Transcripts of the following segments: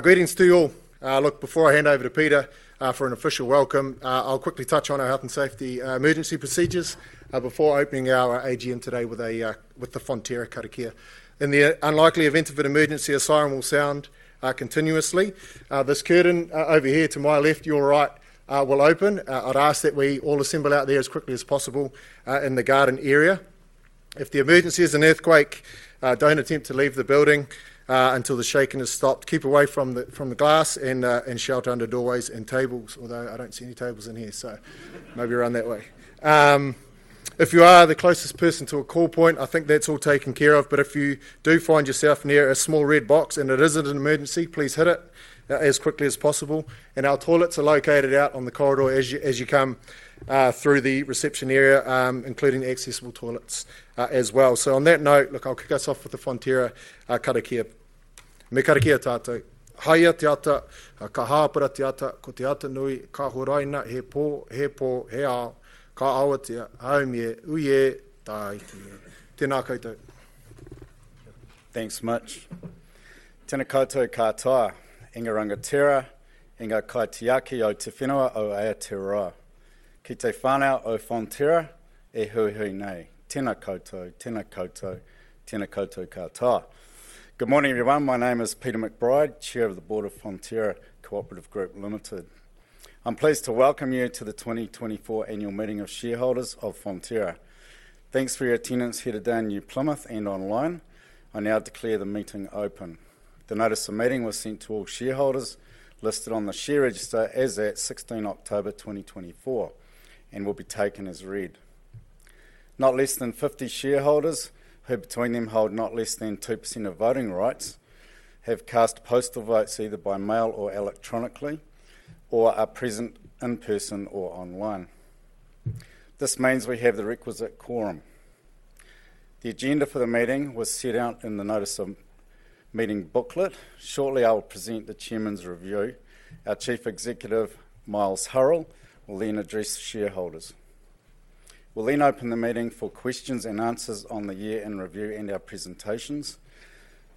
Greetings to you all. Look, before I hand over to Peter for an official welcome, I'll quickly touch on our health and safety emergency procedures before opening our AGM today with the Fonterra Co-operative. In the unlikely event of an emergency, a siren will sound continuously. This curtain over here to my left, your right, will open. I'd ask that we all assemble out there as quickly as possible in the garden area. If the emergency is an earthquake, don't attempt to leave the building until the shaking has stopped. Keep away from the glass and shelter under doorways and tables, although I don't see any tables in here, so maybe around that way. If you are the closest person to a call point, I think that's all taken care of, but if you do find yourself near a small red box and it isn't an emergency, please hit it as quickly as possible. And our toilets are located out on the corridor as you come through the reception area, including accessible toilets as well. So on that note, look, I'll kick us off with the Fonterra Kaumātua. Mikata kiatu tatu. Haya tiata kahawa mpira tiata kutiata nui kahurai na hepo hepo hea kaawa tia haumie uye tai tia. Tēnā koutou. Thanks so much. Tēnā koutou katoa. Ngā mihi nui ki a koutou. Kia ora tātou, Fonterra whānau nei. Tēnā koutou tēnā koutou tēnā koutou katoa. Good morning, everyone. My name is Peter McBride, Chair of the Board of Fonterra Co-operative Group Limited. I'm pleased to welcome you to the 2024 Annual Meeting of Shareholders of Fonterra. Thanks for your attendance here today in New Plymouth and online. I now declare the meeting open. The notice of meeting was sent to all shareholders listed on the share register as of 16 October 2024 and will be taken as read. Not less than 50 shareholders, who between them hold not less than 2% of voting rights, have cast postal votes either by mail or electronically or are present in person or online. This means we have the requisite quorum. The agenda for the meeting was set out in the notice of meeting booklet. Shortly, I will present the chairman's review. Our Chief Executive, Miles Hurrell, will then address shareholders. We'll then open the meeting for questions and answers on the year-end review and our presentations.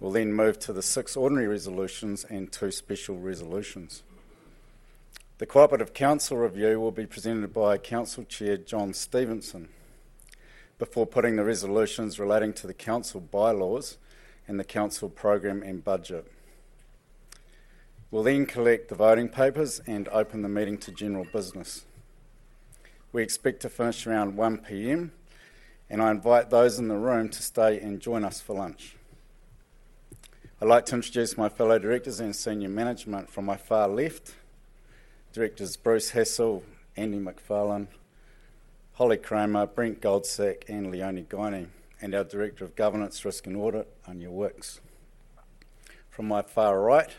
We'll then move to the six ordinary resolutions and two special resolutions. The Cooperative Council review will be presented by Council Chair John Stevenson before putting the resolutions relating to the Council bylaws and the Council program and budget. We'll then collect the voting papers and open the meeting to general business. We expect to finish around 1:00 P.M., and I invite those in the room to stay and join us for lunch. I'd like to introduce my fellow directors and senior management from my far left. Directors Bruce Hassall, Andrew Macfarlane, Holly Kramer, Brent Goldsack, and Leonie Guiney, and our director of governance, risk, and audit, Anya Wicks. From my far right,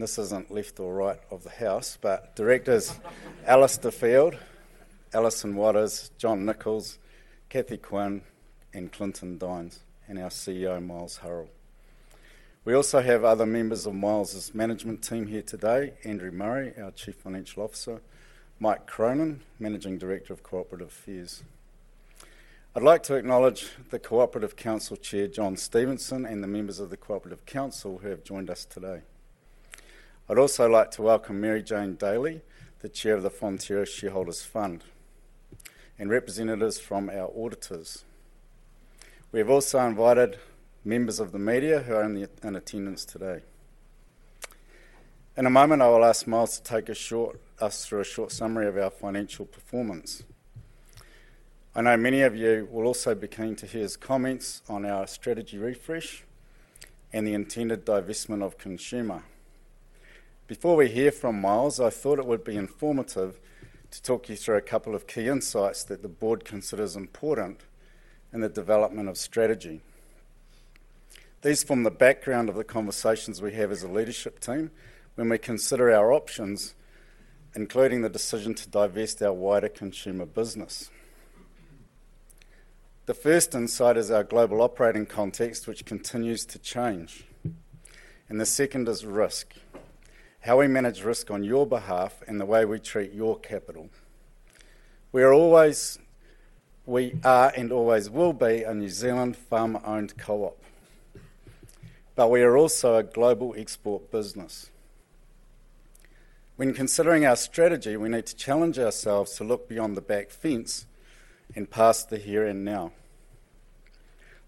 this isn't left or right of the house, but directors Alistair Field, Alison Watters, John Nicholls, Cathy Quinn, and Clinton Dines, and our CEO, Miles Hurrell. We also have other members of Miles's management team here today: Andrew Murray, our chief financial officer; Mike Cronin, managing director of cooperative affairs. I'd like to acknowledge the Cooperative Council Chair, John Stevenson, and the members of the Cooperative Council who have joined us today. I'd also like to welcome Mary-Jane Daly, the chair of the Fonterra Shareholders' Fund, and representatives from our auditors. We have also invited members of the media who are in attendance today. In a moment, I will ask Miles to take us through a short summary of our financial performance. I know many of you will also be keen to hear his comments on our strategy refresh and the intended divestment of consumer. Before we hear from Miles, I thought it would be informative to talk you through a couple of key insights that the board considers important in the development of strategy. These form the background of the conversations we have as a leadership team when we consider our options, including the decision to divest our wider consumer business. The first insight is our global operating context, which continues to change, and the second is risk, how we manage risk on your behalf and the way we treat your capital. We are always and always will be a New Zealand farm-owned co-op, but we are also a global export business. When considering our strategy, we need to challenge ourselves to look beyond the back fence and past the here and now.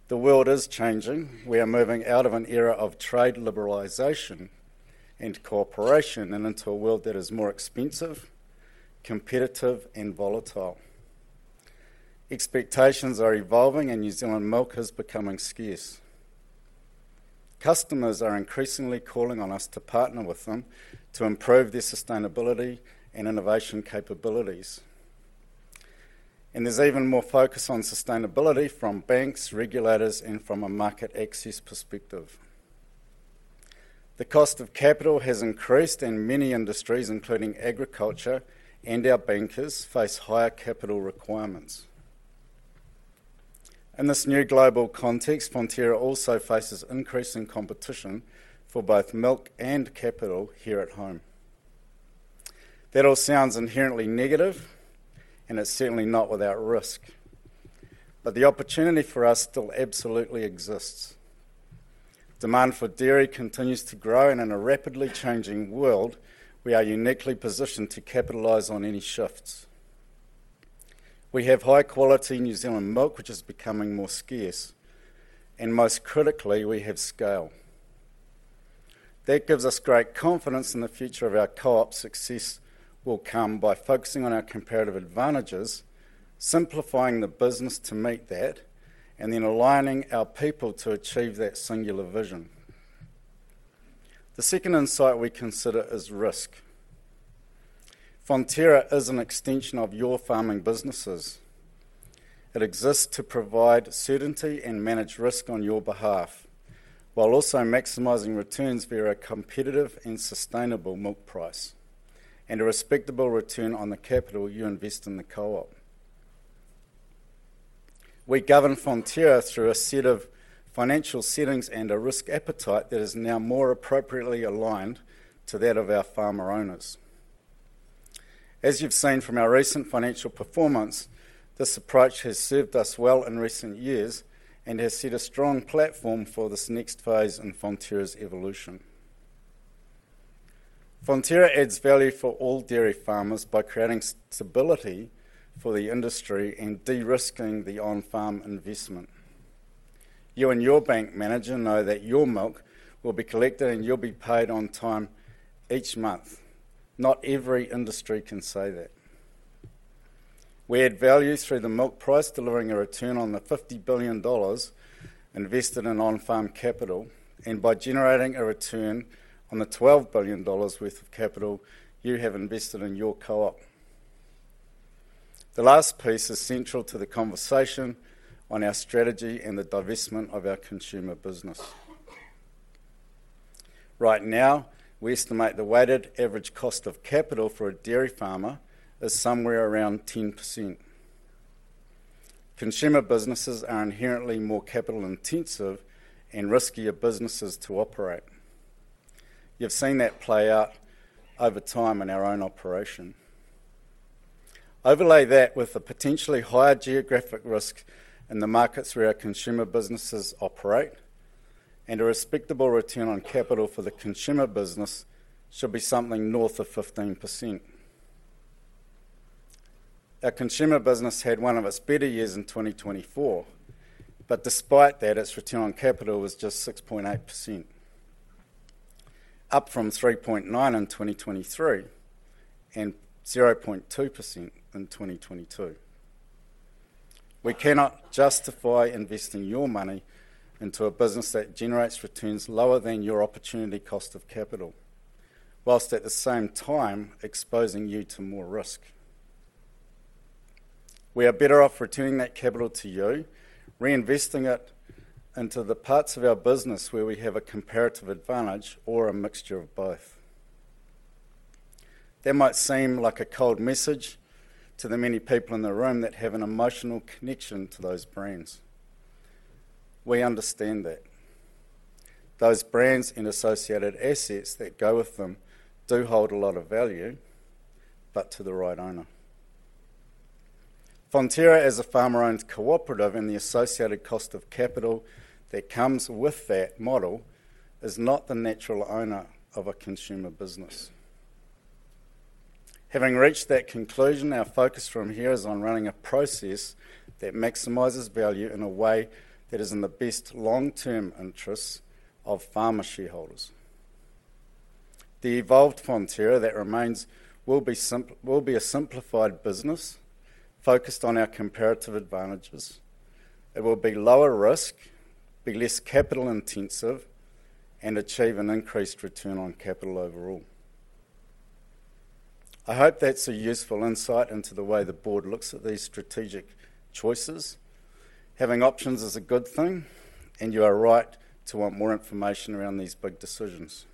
The world is changing. We are moving out of an era of trade liberalization and cooperation and into a world that is more expensive, competitive, and volatile. Expectations are evolving, and New Zealand milk is becoming scarce. Customers are increasingly calling on us to partner with them to improve their sustainability and innovation capabilities. And there's even more focus on sustainability from banks, regulators, and from a market access perspective. The cost of capital has increased, and many industries, including agriculture and our bankers, face higher capital requirements. In this new global context, Fonterra also faces increasing competition for both milk and capital here at home. That all sounds inherently negative, and it's certainly not without risk. But the opportunity for us still absolutely exists. Demand for dairy continues to grow, and in a rapidly changing world, we are uniquely positioned to capitalize on any shifts. We have high-quality New Zealand milk, which is becoming more scarce, and most critically, we have scale. That gives us great confidence in the future of our co-op's success, will come by focusing on our comparative advantages, simplifying the business to meet that, and then aligning our people to achieve that singular vision. The second insight we consider is risk. Fonterra is an extension of your farming businesses. It exists to provide certainty and manage risk on your behalf while also maximizing returns via a competitive and sustainable milk price and a respectable return on the capital you invest in the co-op. We govern Fonterra through a set of financial settings and a risk appetite that is now more appropriately aligned to that of our farmer owners. As you've seen from our recent financial performance, this approach has served us well in recent years and has set a strong platform for this next phase in Fonterra's evolution. Fonterra adds value for all dairy farmers by creating stability for the industry and de-risking the on-farm investment. You and your bank manager know that your milk will be collected and you'll be paid on time each month. Not every industry can say that. We add value through the milk price, delivering a return on the 50 billion dollars invested in on-farm capital, and by generating a return on the 12 billion dollars worth of capital you have invested in your co-op. The last piece is central to the conversation on our strategy and the divestment of our consumer business. Right now, we estimate the weighted average cost of capital for a dairy farmer is somewhere around 10%. Consumer businesses are inherently more capital-intensive and riskier businesses to operate. You've seen that play out over time in our own operation. Overlay that with the potentially higher geographic risk in the markets where our consumer businesses operate, and a respectable return on capital for the consumer business should be something north of 15%. Our consumer business had one of its better years in 2024, but despite that, its return on capital was just 6.8%, up from 3.9% in 2023 and 0.2% in 2022. We cannot justify investing your money into a business that generates returns lower than your opportunity cost of capital, whilst at the same time exposing you to more risk. We are better off returning that capital to you, reinvesting it into the parts of our business where we have a comparative advantage or a mixture of both. That might seem like a cold message to the many people in the room that have an emotional connection to those brands. We understand that. Those brands and associated assets that go with them do hold a lot of value, but to the right owner. Fonterra is a farmer-owned cooperative, and the associated cost of capital that comes with that model is not the natural owner of a consumer business. Having reached that conclusion, our focus from here is on running a process that maximizes value in a way that is in the best long-term interests of farmer shareholders. The evolved Fonterra that remains will be a simplified business focused on our comparative advantages. It will be lower risk, be less capital-intensive, and achieve an increased return on capital overall. I hope that's a useful insight into the way the board looks at these strategic choices. Having options is a good thing, and you are right to want more information around these big decisions.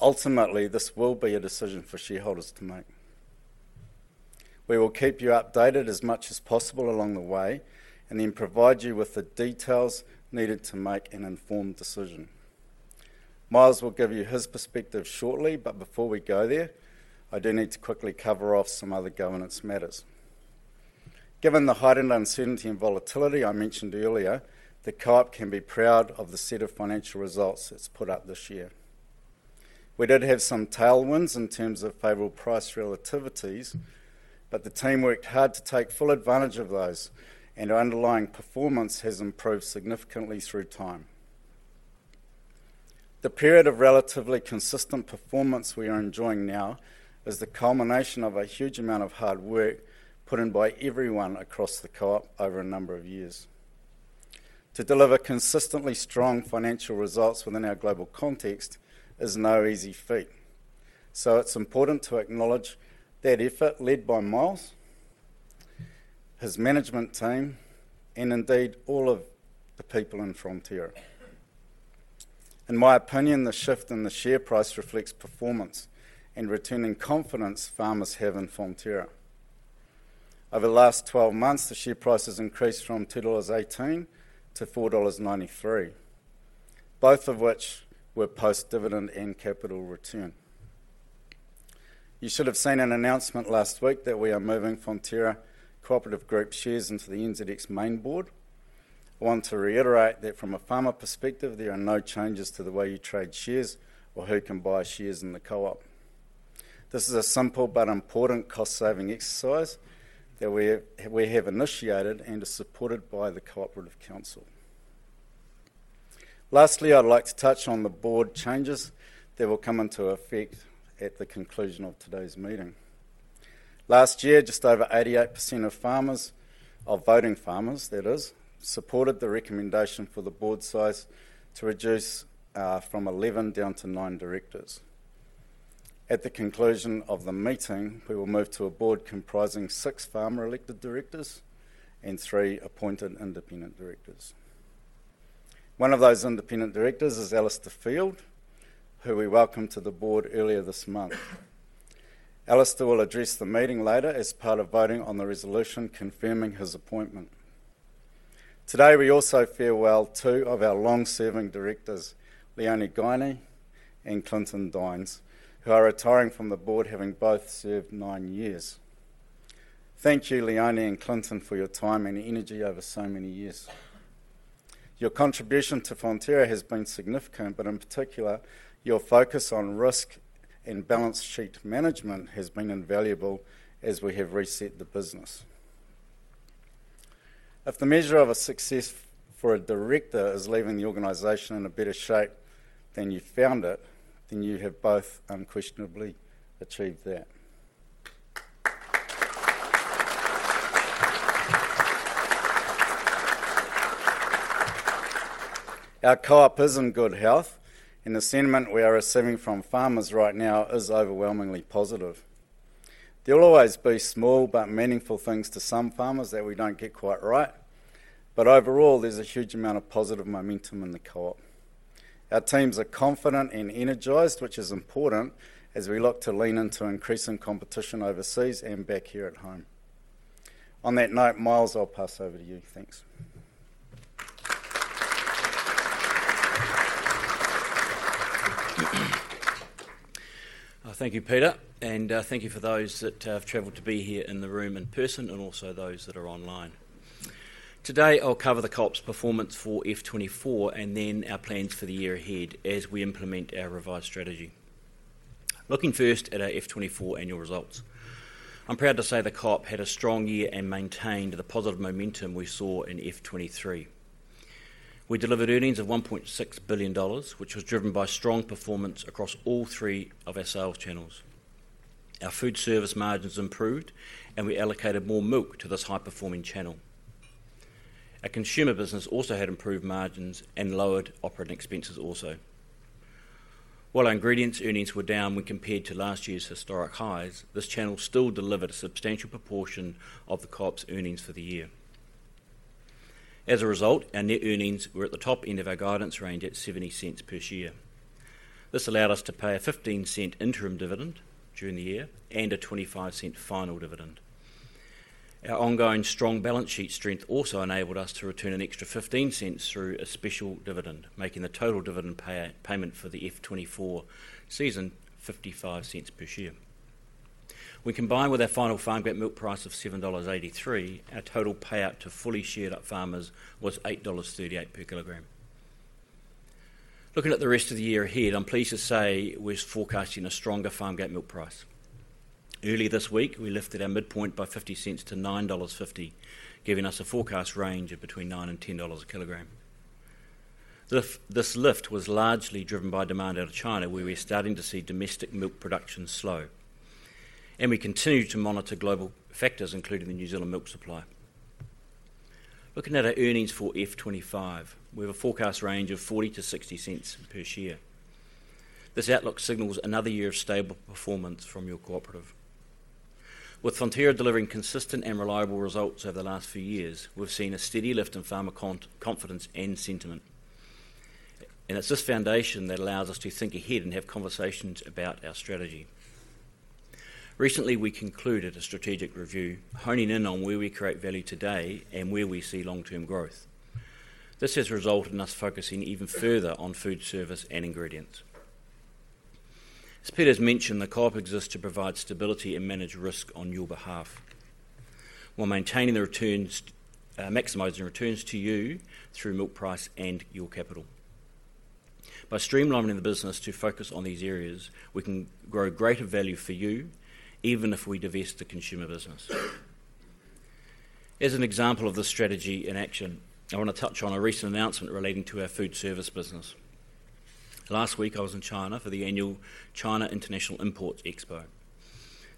Ultimately, this will be a decision for shareholders to make. We will keep you updated as much as possible along the way and then provide you with the details needed to make an informed decision. Miles will give you his perspective shortly, but before we go there, I do need to quickly cover off some other governance matters. Given the heightened uncertainty and volatility I mentioned earlier, the co-op can be proud of the set of financial results it's put up this year. We did have some tailwinds in terms of favorable price relativities, but the team worked hard to take full advantage of those, and our underlying performance has improved significantly through time. The period of relatively consistent performance we are enjoying now is the culmination of a huge amount of hard work put in by everyone across the co-op over a number of years. To deliver consistently strong financial results within our global context is no easy feat. So it's important to acknowledge that effort led by Miles, his management team, and indeed all of the people in Fonterra. In my opinion, the shift in the share price reflects performance and returning confidence farmers have in Fonterra. Over the last 12 months, the share price has increased from 2.18 dollars to 4.93 dollars, both of which were post-dividend and capital return. You should have seen an announcement last week that we are moving Fonterra Co-operative Group shares into the NZX Main Board. I want to reiterate that from a farmer perspective, there are no changes to the way you trade shares or who can buy shares in the co-op. This is a simple but important cost-saving exercise that we have initiated and is supported by the Cooperative Council. Lastly, I'd like to touch on the board changes that will come into effect at the conclusion of today's meeting. Last year, just over 88% of voting farmers, that is, supported the recommendation for the board size to reduce from 11 down to 9 directors. At the conclusion of the meeting, we will move to a board comprising six farmer-elected directors and three appointed independent directors. One of those independent directors is Alistair Field, who we welcomed to the board earlier this month. Alistair will address the meeting later as part of voting on the resolution confirming his appointment. Today, we also farewell two of our long-serving directors, Leonie Guiney and Clinton Dines, who are retiring from the board, having both served nine years. Thank you, Leonie and Clinton, for your time and energy over so many years. Your contribution to Fonterra has been significant, but in particular, your focus on risk and balance sheet management has been invaluable as we have reset the business. If the measure of a success for a director is leaving the organization in a better shape than you found it, then you have both unquestionably achieved that. Our co-op is in good health, and the sentiment we are receiving from farmers right now is overwhelmingly positive. There will always be small but meaningful things to some farmers that we don't get quite right, but overall, there's a huge amount of positive momentum in the co-op. Our teams are confident and energized, which is important as we look to lean into increasing competition overseas and back here at home. On that note, Miles, I'll pass over to you. Thanks. Thank you, Peter, and thank you for those that have traveled to be here in the room in person and also those that are online. Today, I'll cover the co-op's performance for F24 and then our plans for the year ahead as we implement our revised strategy. Looking first at our F24 annual results, I'm proud to say the co-op had a strong year and maintained the positive momentum we saw in F23. We delivered earnings of 1.6 billion dollars, which was driven by strong performance across all three of our sales channels. Our Foodservice margins improved, and we allocated more milk to this high-performing channel. Our consumer business also had improved margins and lowered operating expenses also. While our ingredients earnings were down when compared to last year's historic highs, this channel still delivered a substantial proportion of the co-op's earnings for the year. As a result, our net earnings were at the top end of our guidance range at 0.70 per share. This allowed us to pay a 0.15 interim dividend during the year and a 0.25 final dividend. Our ongoing strong balance sheet strength also enabled us to return an extra 0.15 through a special dividend, making the total dividend payment for the F24 season 0.55 per share. When combined with our final Farmgate Milk Price of NZD 7.83, our total payout to fully shared-up farmers was NZD 8.38 per kilogram. Looking at the rest of the year ahead, I'm pleased to say we're forecasting a stronger Farmgate Milk Price. Earlier this week, we lifted our midpoint by 0.50 to 9.50 dollars, giving us a forecast range of between 9 and 10 dollars a kilogram. This lift was largely driven by demand out of China, where we're starting to see domestic milk production slow, and we continue to monitor global factors, including the New Zealand milk supply. Looking at our earnings for F25, we have a forecast range of 0.40 to 0.60 per share. This outlook signals another year of stable performance from your cooperative. With Fonterra delivering consistent and reliable results over the last few years, we've seen a steady lift in farmer confidence and sentiment, and it's this foundation that allows us to think ahead and have conversations about our strategy. Recently, we concluded a strategic review, honing in on where we create value today and where we see long-term growth. This has resulted in us focusing even further on Foodservice and ingredients. As Peter has mentioned, the co-op exists to provide stability and manage risk on your behalf while maximizing returns to you through milk price and your capital. By streamlining the business to focus on these areas, we can grow greater value for you, even if we divest the consumer business. As an example of this strategy in action, I want to touch on a recent announcement relating to our Foodservice business. Last week, I was in China for the annual China International Import Expo.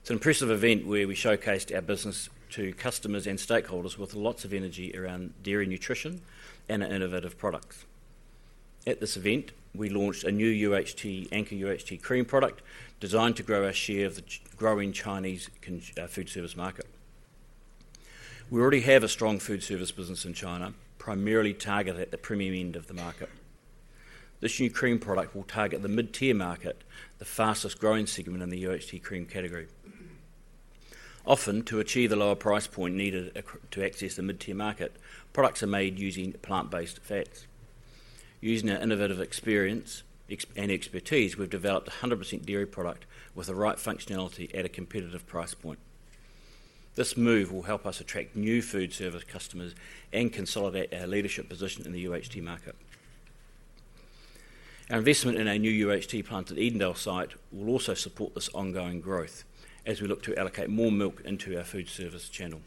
It's an impressive event where we showcased our business to customers and stakeholders with lots of energy around dairy nutrition and innovative products. At this event, we launched a new UHT Anchor UHT cream product designed to grow our share of the growing Chinese Foodservice market. We already have a strong Foodservice business in China, primarily targeted at the premium end of the market. This new cream product will target the mid-tier market, the fastest-growing segment in the UHT cream category. Often, to achieve the lower price point needed to access the mid-tier market, products are made using plant-based fats. Using our innovative experience and expertise, we've developed a 100% dairy product with the right functionality at a competitive price point. This move will help us attract new Foodservice customers and consolidate our leadership position in the UHT market. Our investment in our new UHT plant at Edendale site will also support this ongoing growth as we look to allocate more milk into our Foodservice channel.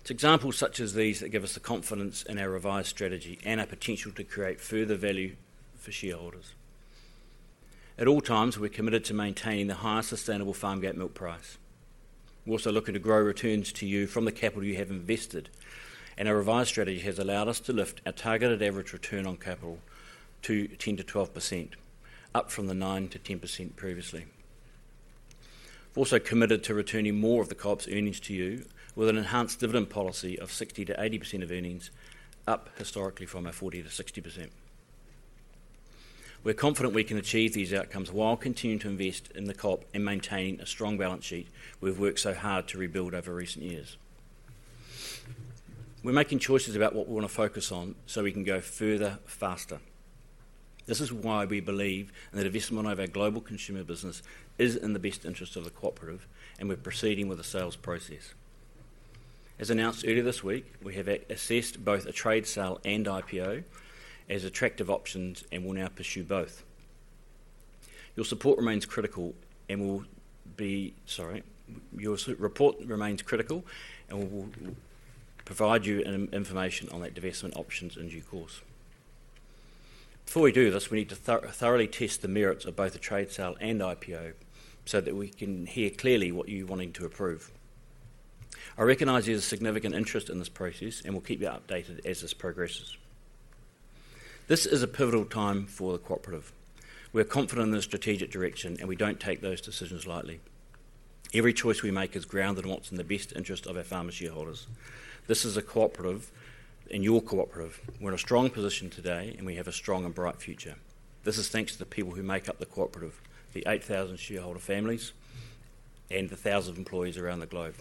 It's examples such as these that give us the confidence in our revised strategy and our potential to create further value for shareholders. At all times, we're committed to maintaining the highest sustainable farmgate milk price. We're also looking to grow returns to you from the capital you have invested, and our revised strategy has allowed us to lift our targeted average return on capital to 10%-12%, up from the 9%-10% previously. We're also committed to returning more of the co-op's earnings to you with an enhanced dividend policy of 60%-80% of earnings, up historically from our 40%-60%. We're confident we can achieve these outcomes while continuing to invest in the co-op and maintaining a strong balance sheet we've worked so hard to rebuild over recent years. We're making choices about what we want to focus on so we can go further faster. This is why we believe that divestment of our global consumer business is in the best interest of the cooperative, and we're proceeding with the sales process. As announced earlier this week, we have assessed both a trade sale and IPO as attractive options and will now pursue both. Your support remains critical, and we will provide you information on those divestment options in due course. Before we do this, we need to thoroughly test the merits of both a trade sale and IPO so that we can hear clearly what you're wanting to approve. I recognize there's a significant interest in this process, and we'll keep you updated as this progresses. This is a pivotal time for the cooperative. We're confident in the strategic direction, and we don't take those decisions lightly. Every choice we make is grounded in what's in the best interest of our farmer shareholders. This is a cooperative, and your cooperative. We're in a strong position today, and we have a strong and bright future. This is thanks to the people who make up the cooperative, the 8,000 shareholder families, and the thousands of employees around the globe.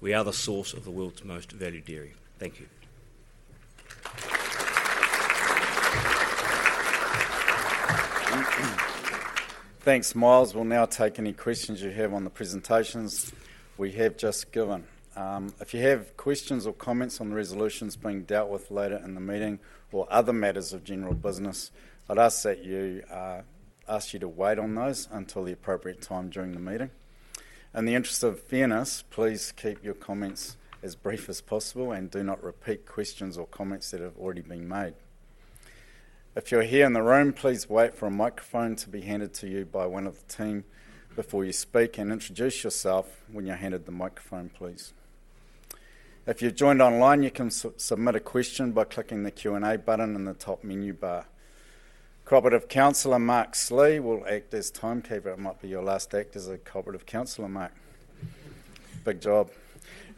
We are the source of the world's most valued dairy. Thank you. Thanks. Miles, we'll now take any questions you have on the presentations we have just given. If you have questions or comments on the resolutions being dealt with later in the meeting or other matters of general business, I'd ask you to wait on those until the appropriate time during the meeting. In the interest of fairness, please keep your comments as brief as possible and do not repeat questions or comments that have already been made. If you're here in the room, please wait for a microphone to be handed to you by one of the team before you speak and introduce yourself when you're handed the microphone, please. If you've joined online, you can submit a question by clicking the Q&A button in the top menu bar. Cooperative Councillor Mark Slee will act as timekeeper. It might be your last act as a Cooperative Councillor, Mark. Big job.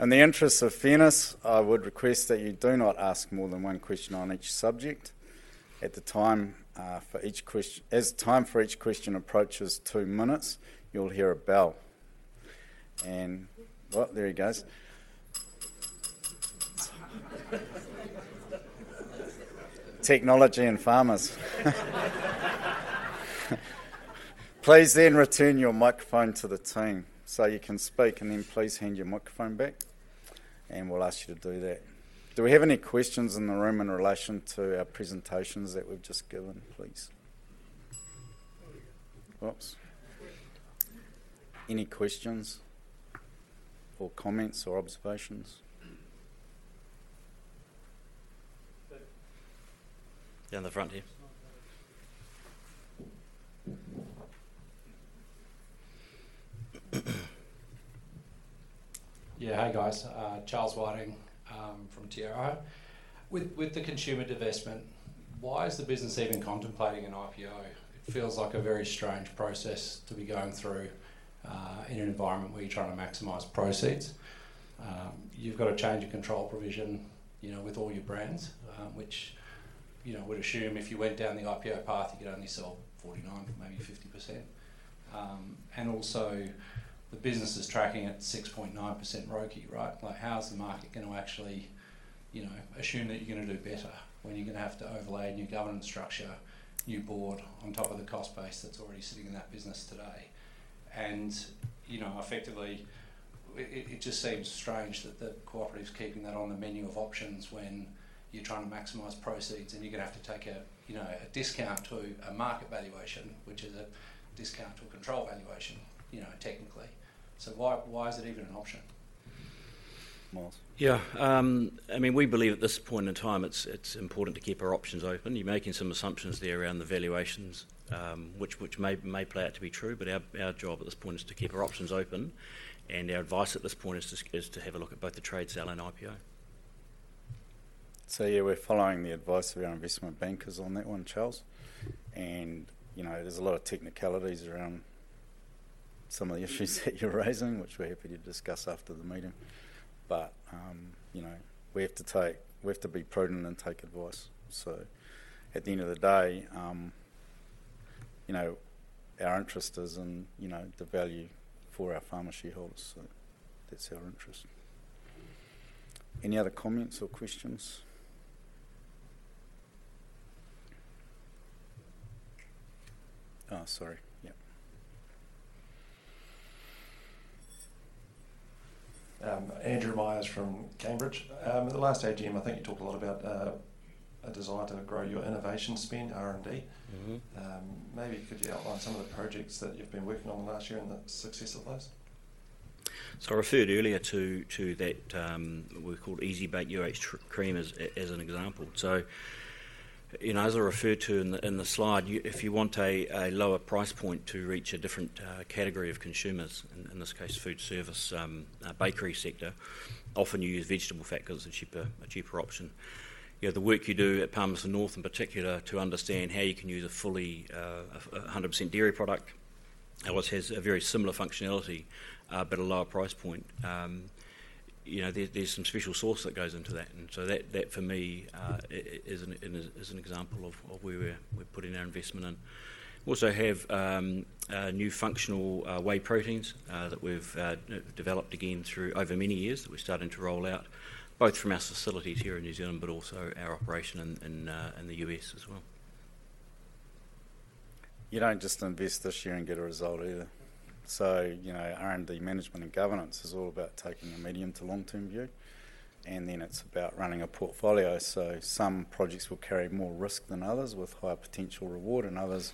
In the interest of fairness, I would request that you do not ask more than one question on each subject at the time for each question. As time for each question approaches two minutes, you'll hear a bell. And there he goes. Technology and farmers. Please then return your microphone to the team so you can speak, and then please hand your microphone back, and we'll ask you to do that. Do we have any questions in the room in relation to our presentations that we've just given, please? Oops. Any questions or comments or observations? Down the front here. Yeah. Hi, guys. Charles Whiting from Tirau. With the consumer divestment, why is the business even contemplating an IPO? It feels like a very strange process to be going through in an environment where you're trying to maximize proceeds. You've got a change of control provision with all your brands, which would assume if you went down the IPO path, you could only sell 49%, maybe 50%. And also, the business is tracking at 6.9% ROIC, right? How's the market going to actually assume that you're going to do better when you're going to have to overlay a new governance structure, new board on top of the cost base that's already sitting in that business today? Effectively, it just seems strange that the cooperative's keeping that on the menu of options when you're trying to maximize proceeds and you're going to have to take a discount to a market valuation, which is a discount to a control valuation, technically. So why is it even an option? Yeah. I mean, we believe at this point in time, it's important to keep our options open. You're making some assumptions there around the valuations, which may play out to be true, but our job at this point is to keep our options open, and our advice at this point is to have a look at both the trade sale and IPO. So yeah, we're following the advice of our investment bankers on that one, Charles. There's a lot of technicalities around some of the issues that you're raising, which we're happy to discuss after the meeting. But we have to be prudent and take advice. So at the end of the day, our interest is in the value for our farmer shareholders. So that's our interest. Any other comments or questions? Oh, sorry. Yeah. Andrew Myers from Cambridge. At the last AGM, I think you talked a lot about a desire to grow your innovation spend, R&D. Maybe could you outline some of the projects that you've been working on last year and the success of those? So I referred earlier to that we called EasyBake UHT cream as an example. So as I referred to in the slide, if you want a lower price point to reach a different category of consumers, in this case, Foodservice, bakery sector, often you use vegetable fats as a cheaper option. The work you do at Palmerston North, in particular, to understand how you can use a fully 100% dairy product, which has a very similar functionality but a lower price point. There's some special sauce that goes into that. And so that, for me, is an example of where we're putting our investment in. We also have new functional whey proteins that we've developed again through over many years that we're starting to roll out, both from our facilities here in New Zealand but also our operation in the U.S. as well. You don't just invest this year and get a result either. So R&D management and governance is all about taking a medium to long-term view. And then it's about running a portfolio. So some projects will carry more risk than others with higher potential reward, and others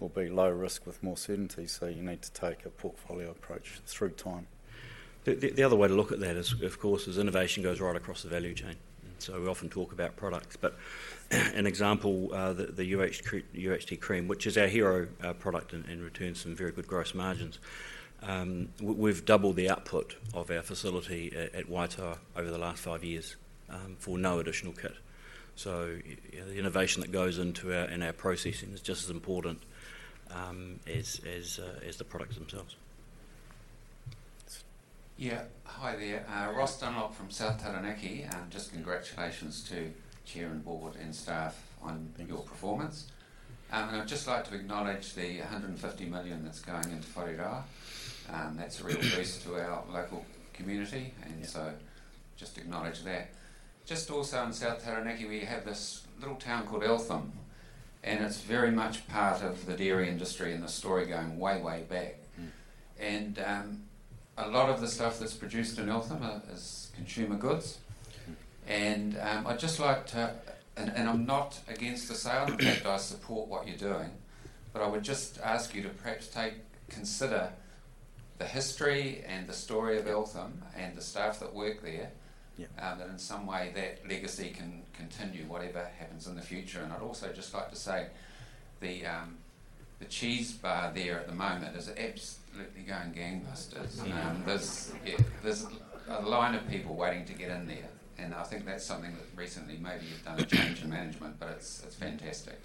will be low risk with more certainty. So you need to take a portfolio approach through time. The other way to look at that is, of course, as innovation goes right across the value chain. So we often talk about products. But an example, the UHT cream, which is our hero product and returns some very good gross margins, we've doubled the output of our facility at Waitoa over the last five years for no additional kit. So the innovation that goes into our processing is just as important as the products themselves. Yeah. Hi there. Ross Dunlop from South Taranaki. Just congratulations to Chair and Board and staff on your performance. And I'd just like to acknowledge the 150 million that's going into Waitoa. That's a real boost to our local community. And so just acknowledge that. Just also in South Taranaki, we have this little town called Eltham, and it's very much part of the dairy industry and the story going way, way back, and a lot of the stuff that's produced in Eltham is consumer goods. I'd just like to, and I'm not against the sale. In fact, I support what you're doing. But I would just ask you to perhaps consider the history and the story of Eltham and the staff that work there, that in some way that legacy can continue whatever happens in the future. I'd also just like to say the cheese bar there at the moment is absolutely going gangbusters. There's a line of people waiting to get in there, and I think that's something that recently maybe you've done a change in management, but it's fantastic.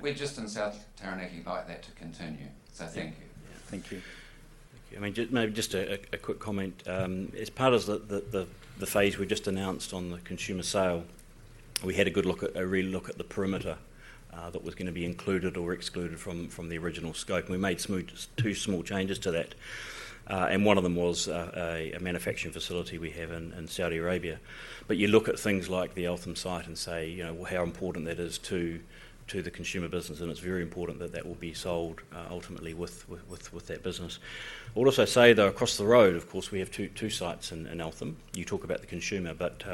We're just in South Taranaki and we'd like that to continue. Thank you. Thank you. Thank you. I mean, maybe just a quick comment. As part of the phase we just announced on the consumer sale, we had a good look, a real look at the parameters that were going to be included or excluded from the original scope. We made two small changes to that. One of them was a manufacturing facility we have in Saudi Arabia. But you look at things like the Eltham site and say how important that is to the consumer business, and it's very important that that will be sold ultimately with that business. I would also say though, across the road, of course, we have two sites in Eltham. You talk about the consumer, but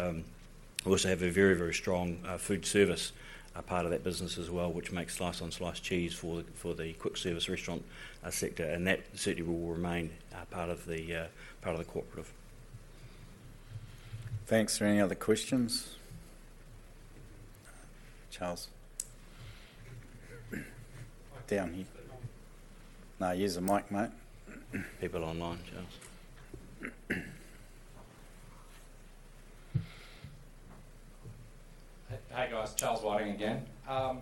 we also have a very, very strong Foodservice part of that business as well, which makes slice-on-slice cheese for the quick service restaurant sector. And that certainly will remain part of the cooperative. Thanks. Any other questions? Charles. Down here. No, use the mic, mate. People online, Charles. Hi guys. Charles Whiting again.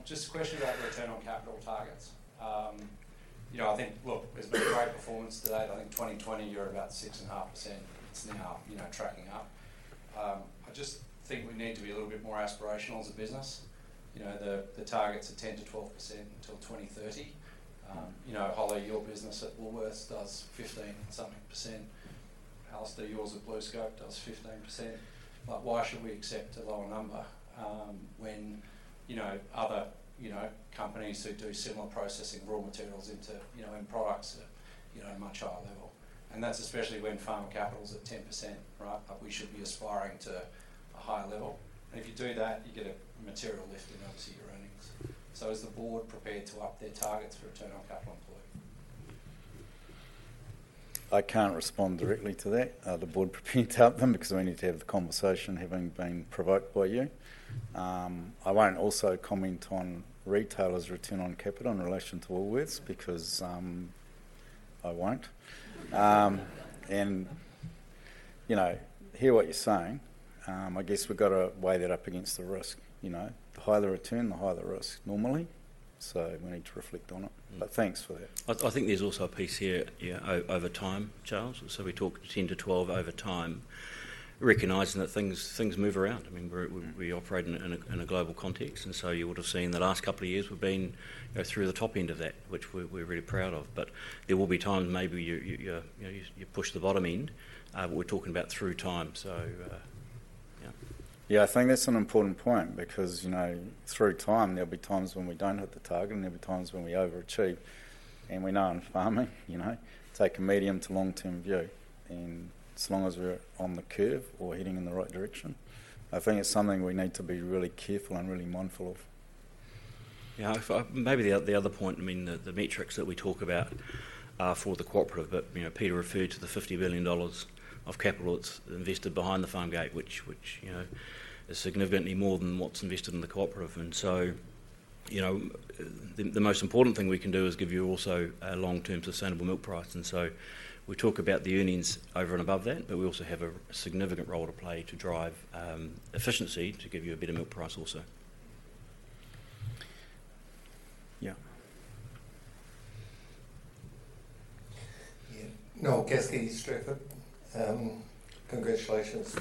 Just a question about return on capital targets. I think, look, there's been great performance today. I think 2020, you were about 6.5%. It's now tracking up. I just think we need to be a little bit more aspirational as a business. The targets are 10%-12% until 2030. Holly, your business at Woolworths does 15% and something%. Alistair, yours at BlueScope does 15%. But why should we accept a lower number when other companies who do similar processing raw materials and products at a much higher level? And that's especially when pharma capital's at 10%, right? We should be aspiring to a higher level. And if you do that, you get a material lift in, obviously, your earnings. So is the board prepared to up their targets for return on capital employed? I can't respond directly to that. Are the board prepared to up them? Because we need to have the conversation having been provoked by you. I won't also comment on retailers' return on capital in relation to Woolworths because I won't. And I hear what you're saying. I guess we've got to weigh that up against the risk. The higher the return, the higher the risk normally. So we need to reflect on it. But thanks for that. I think there's also a piece here over time, Charles. So we talked 10 to 12 over time, recognizing that things move around. I mean, we operate in a global context. And so you would have seen the last couple of years we've been through the top end of that, which we're really proud of. But there will be times maybe you push the bottom end. But we're talking about through time. So yeah. Yeah. I think that's an important point because through time, there'll be times when we don't hit the target and there'll be times when we overachieve. And we know in farming, take a medium to long-term view. And as long as we're on the curve or heading in the right direction, I think it's something we need to be really careful and really mindful of. Yeah. Maybe the other point, I mean, the metrics that we talk about for the cooperative, but Peter referred to the 50 billion dollars of capital that's invested behind the farm gate, which is significantly more than what's invested in the cooperative. And so the most important thing we can do is give you also a long-term sustainable milk price. And so we talk about the earnings over and above that, but we also have a significant role to play to drive efficiency to give you a better milk price also. Yeah. Yeah. Noel Caskey, Stratford. Congratulations to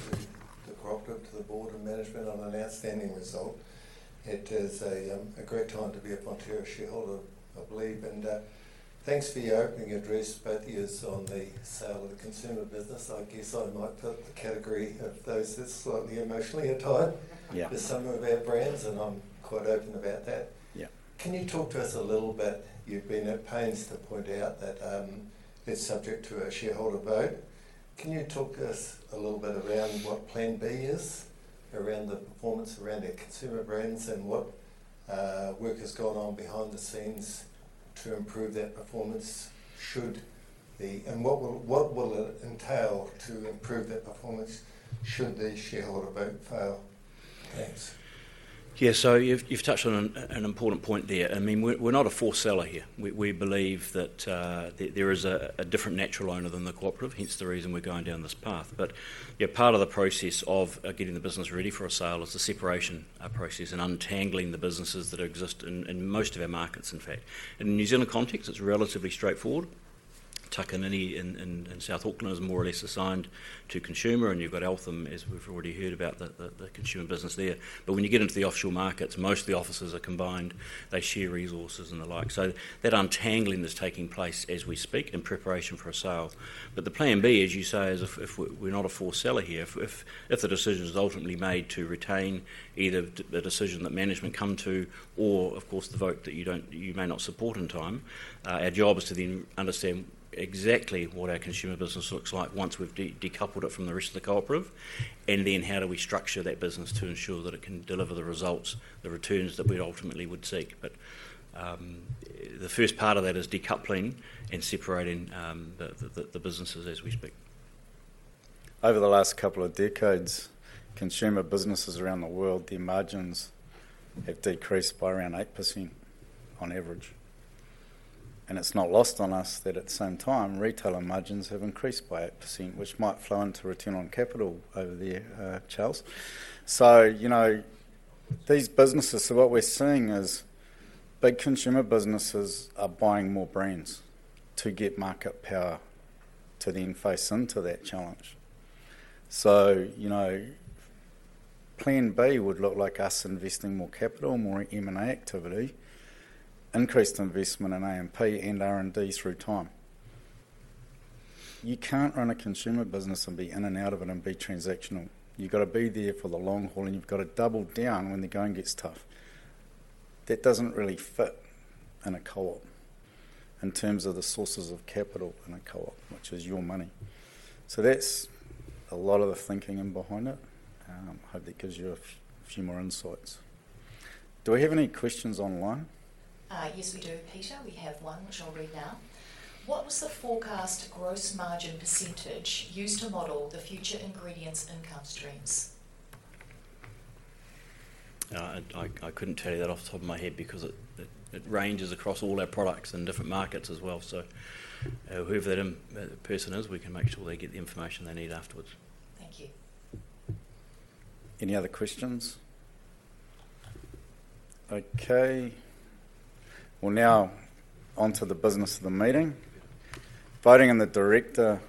the cooperative, to the board, and management on an outstanding result. It is a great time to be a Fonterra shareholder, I believe. And thanks for your opening address, both of you, on the sale of the consumer business. I guess I might put the category of those that's slightly emotionally attached as some of our brands, and I'm quite open about that. Can you talk to us a little bit? You've been at pains to point out that it's subject to a shareholder vote. Can you talk to us a little bit around what plan B is around the performance around the consumer brands and what work has gone on behind the scenes to improve that performance? And what will it entail to improve that performance should the shareholder vote fail? Thanks. Yeah. So you've touched on an important point there. I mean, we're not a foreseller here. We believe that there is a different natural owner than the cooperative, hence the reason we're going down this path. But part of the process of getting the business ready for a sale is the separation process and untangling the businesses that exist in most of our markets, in fact. In the New Zealand context, it's relatively straightforward. Takanini in South Auckland is more or less assigned to consumer, and you've got Eltham, as we've already heard about, the consumer business there. But when you get into the offshore markets, most of the offices are combined. They share resources and the like. So that untangling is taking place as we speak in preparation for a sale. But the plan B, as you say, is if we're not a foreseller here, if the decision is ultimately made to retain either the decision that management come to or, of course, the vote that you may not support in time. Our job is to then understand exactly what our consumer business looks like once we've decoupled it from the rest of the cooperative. And then how do we structure that business to ensure that it can deliver the results, the returns that we ultimately would seek? But the first part of that is decoupling and separating the businesses as we speak. Over the last couple of decades, consumer businesses around the world, their margins have decreased by around 8% on average. And it's not lost on us that at the same time, retailer margins have increased by 8%, which might flow into return on capital over there, Charles. So these businesses, so what we're seeing is big consumer businesses are buying more brands to get market power to then face into that challenge. So plan B would look like us investing more capital, more M&A activity, increased investment in A&P and R&D through time. You can't run a consumer business and be in and out of it and be transactional. You've got to be there for the long haul, and you've got to double down when the going gets tough. That doesn't really fit in a co-op in terms of the sources of capital in a co-op, which is your money. So that's a lot of the thinking behind it. I hope that gives you a few more insights. Do we have any questions online? Yes, we do, Peter. We have one, which I'll read now. What was the forecast gross margin percentage used to model the future ingredients income streams? I couldn't tell you that off the top of my head because it ranges across all our products in different markets as well. So whoever that person is, we can make sure they get the information they need afterwards. Thank you. Any other questions? Okay. We'll now on to the business of the meeting. Voting in the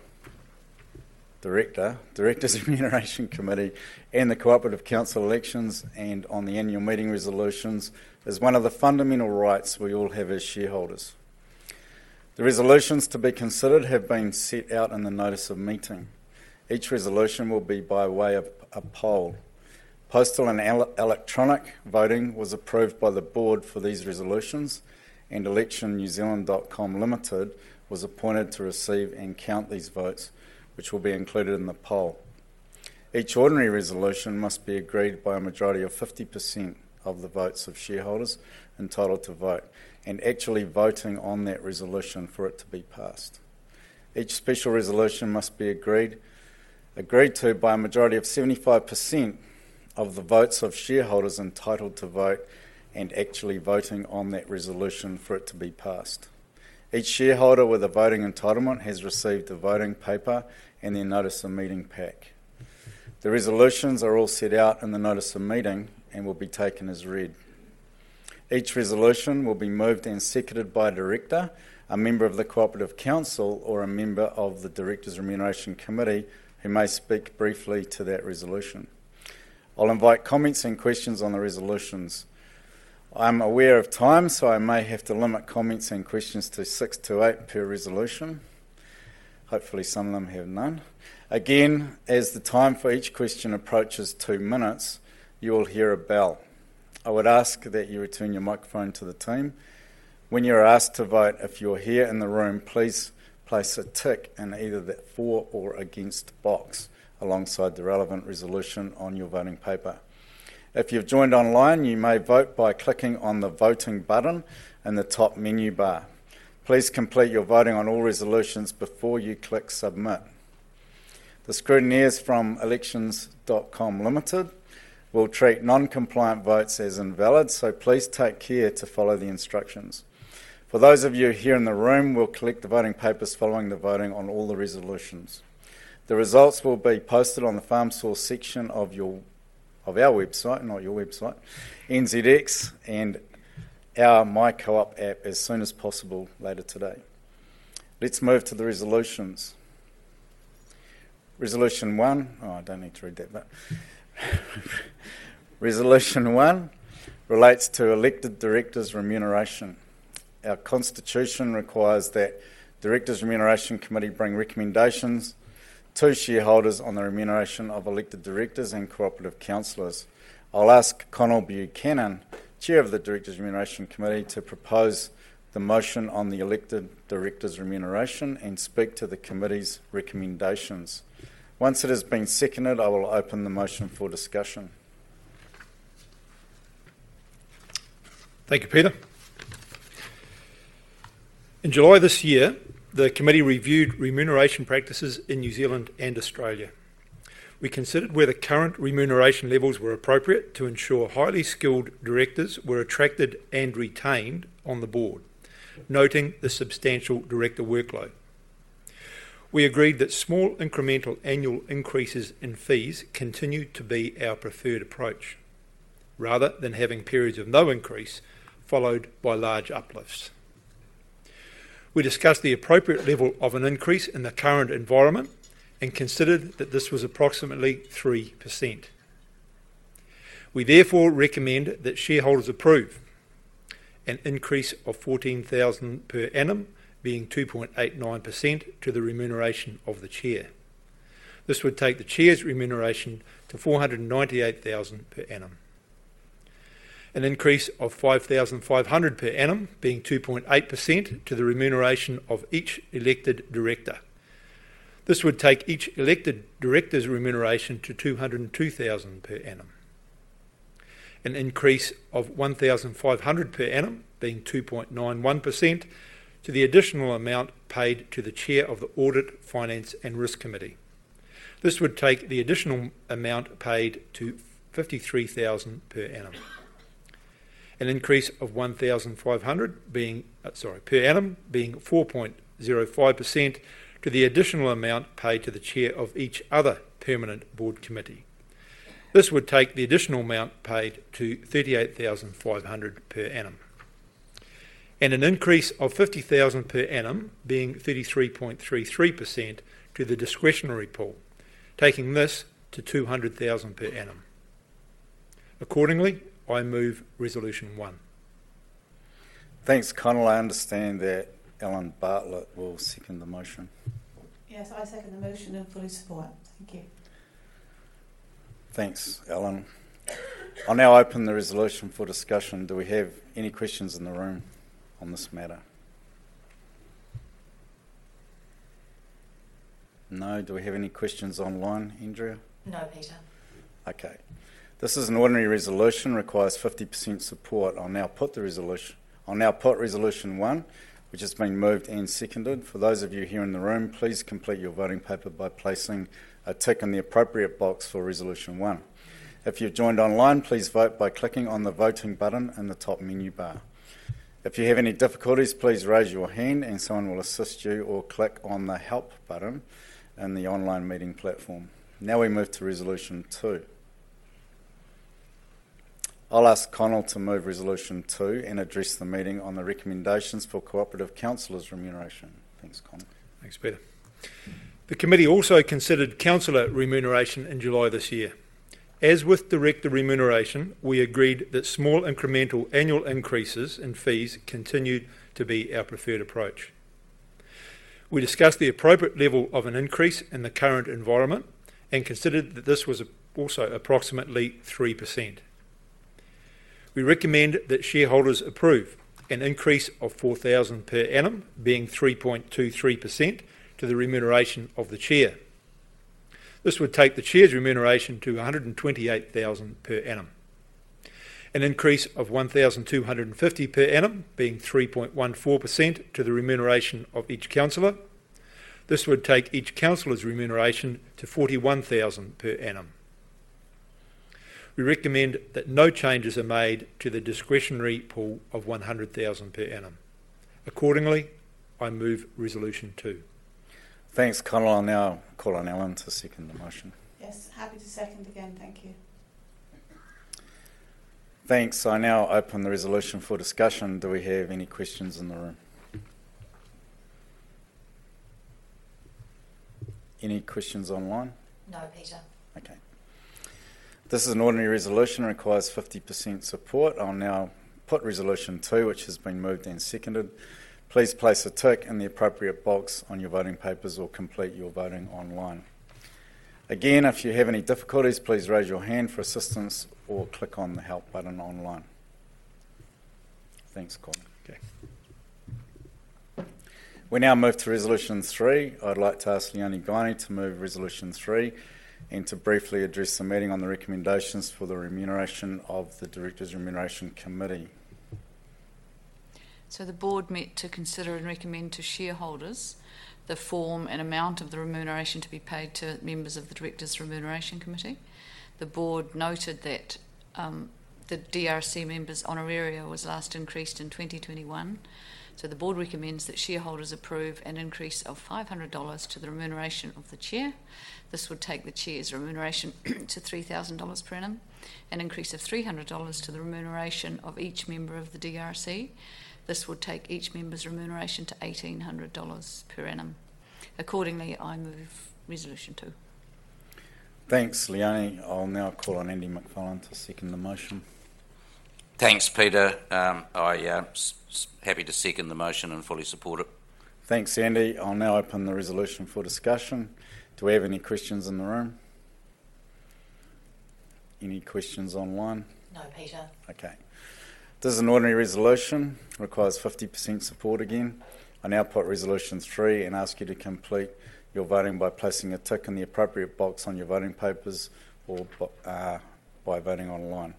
Directors' Remuneration Committee and the Cooperative Council elections and on the annual meeting resolutions is one of the fundamental rights we all have as shareholders. The resolutions to be considered have been set out in the notice of meeting. Each resolution will be by way of a poll. Postal and electronic voting was approved by the board for these resolutions, and electionz.com Limited, was appointed to receive and count these votes, which will be included in the poll. Each ordinary resolution must be agreed by a majority of 50% of the votes of shareholders entitled to vote and actually voting on that resolution for it to be passed. Each special resolution must be agreed to by a majority of 75% of the votes of shareholders entitled to vote and actually voting on that resolution for it to be passed. Each shareholder with a voting entitlement has received a voting paper and their notice of meeting pack. The resolutions are all set out in the notice of meeting and will be taken as read. Each resolution will be moved and seconded by a director, a member of the Cooperative Council, or a member of the Directors' Remuneration Committee who may speak briefly to that resolution. I'll invite comments and questions on the resolutions. I'm aware of time, so I may have to limit comments and questions to six to eight per resolution. Hopefully, some of them have none. Again, as the time for each question approaches two minutes, you will hear a bell. I would ask that you return your microphone to the team. When you're asked to vote, if you're here in the room, please place a tick in either the for or against box alongside the relevant resolution on your voting paper. If you've joined online, you may vote by clicking on the voting button in the top menu bar. Please complete your voting on all resolutions before you click submit. The scrutineers from electionz.com Limited will treat non-compliant votes as invalid, so please take care to follow the instructions. For those of you here in the room, we'll collect the voting papers following the voting on all the resolutions. The results will be posted on the Farm Source section of our website, not your website, NZX and our My Co-op app as soon as possible later today. Let's move to the resolutions. Resolution one, oh, I don't need to read that, but resolution one relates to elected directors' remuneration. Our constitution requires that Directors' Remuneration Committee bring recommendations to shareholders on the remuneration of elected directors and cooperative councillors. I'll ask Conall Buchanan, chair of the Directors' Remuneration Committee, to propose the motion on the elected director's remuneration and speak to the committee's recommendations. Once it has been seconded, I will open the motion for discussion. Thank you, Peter. In July this year, the committee reviewed remuneration practices in New Zealand and Australia. We considered where the current remuneration levels were appropriate to ensure highly skilled directors were attracted and retained on the board, noting the substantial director workload. We agreed that small incremental annual increases in fees continued to be our preferred approach rather than having periods of no increase followed by large uplifts. We discussed the appropriate level of an increase in the current environment and considered that this was approximately 3%. We therefore recommend that shareholders approve an increase of 14,000 per annum being 2.89% to the remuneration of the chair. This would take the chair's remuneration to 498,000 per annum. An increase of 5,500 per annum being 2.8% to the remuneration of each elected director. This would take each elected director's remuneration to 202,000 per annum. An increase of 1,500 per annum being 2.91% to the additional amount paid to the chair of the Audit, Finance, and Risk Committee. This would take the additional amount paid to 53,000 per annum. An increase of 1,500 per annum being 4.05% to the additional amount paid to the chair of each other permanent board committee. This would take the additional amount paid to 38,500 per annum. And an increase of 50,000 per annum being 33.33% to the discretionary pool, taking this to 200,000 per annum. Accordingly, I move resolution one. Thanks, Connell. I understand that Ellen Bartlett will second the motion. Yes, I second the motion and fully support. Thank you. Thanks, Ellen. I'll now open the resolution for discussion. Do we have any questions in the room on this matter? No. Do we have any questions online, Andrea? No, Peter. Okay. This is an ordinary resolution requires 50% support. I'll now put resolution one, which has been moved and seconded. For those of you here in the room, please complete your voting paper by placing a tick in the appropriate box for resolution one. If you've joined online, please vote by clicking on the voting button in the top menu bar. If you have any difficulties, please raise your hand and someone will assist you or click on the help button in the online meeting platform. Now we move to resolution two. I'll ask Conall to move resolution two and address the meeting on the recommendations for cooperative councillors' remuneration. Thanks, Conall. Thanks, Peter. The committee also considered councillor remuneration in July this year. As with director remuneration, we agreed that small incremental annual increases in fees continued to be our preferred approach. We discussed the appropriate level of an increase in the current environment and considered that this was also approximately 3%. We recommend that shareholders approve an increase of 4,000 per annum being 3.23% to the remuneration of the chair. This would take the chair's remuneration to 128,000 per annum. An increase of 1,250 per annum being 3.14% to the remuneration of each councillor. This would take each councillor's remuneration to 41,000 per annum. We recommend that no changes are made to the discretionary pool of 100,000 per annum. Accordingly, I move resolution two. Thanks, Conall. I'll now call on Ellen to second the motion. Yes, happy to second again. Thank you. Thanks. I now open the resolution for discussion. Do we have any questions in the room? Any questions online? No, Peter. Okay. This is an ordinary resolution requires 50% support. I'll now put resolution two, which has been moved and seconded. Please place a tick in the appropriate box on your voting papers or complete your voting online. Again, if you have any difficulties, please raise your hand for assistance or click on the help button online. Thanks, Conall. Okay. We now move to resolution three. I'd like to ask Leonie Guiney to move resolution three and to briefly address the meeting on the recommendations for the remuneration of the director's remuneration committee. So the board met to consider and recommend to shareholders the form and amount of the remuneration to be paid to members of the director's remuneration committee. The board noted that the DRC members' honoraria was last increased in 2021. So the board recommends that shareholders approve an increase of 500 dollars to the remuneration of the chair. This would take the chair's remuneration to 3,000 dollars per annum. An increase of 300 dollars to the remuneration of each member of the DRC. This would take each member's remuneration to 1,800 dollars per annum. Accordingly, I move resolution two. Thanks, Leonie. I'll now call on Andy Macfarlane to second the motion. Thanks, Peter. I'm happy to second the motion and fully support it. Thanks, Andy. I'll now open the resolution for discussion. Do we have any questions in the room? Any questions online? No, Peter. Okay. This is an ordinary resolution requires 50% support again. I'll now put resolution three and ask you to complete your voting by placing a tick in the appropriate box on your voting papers or by voting online.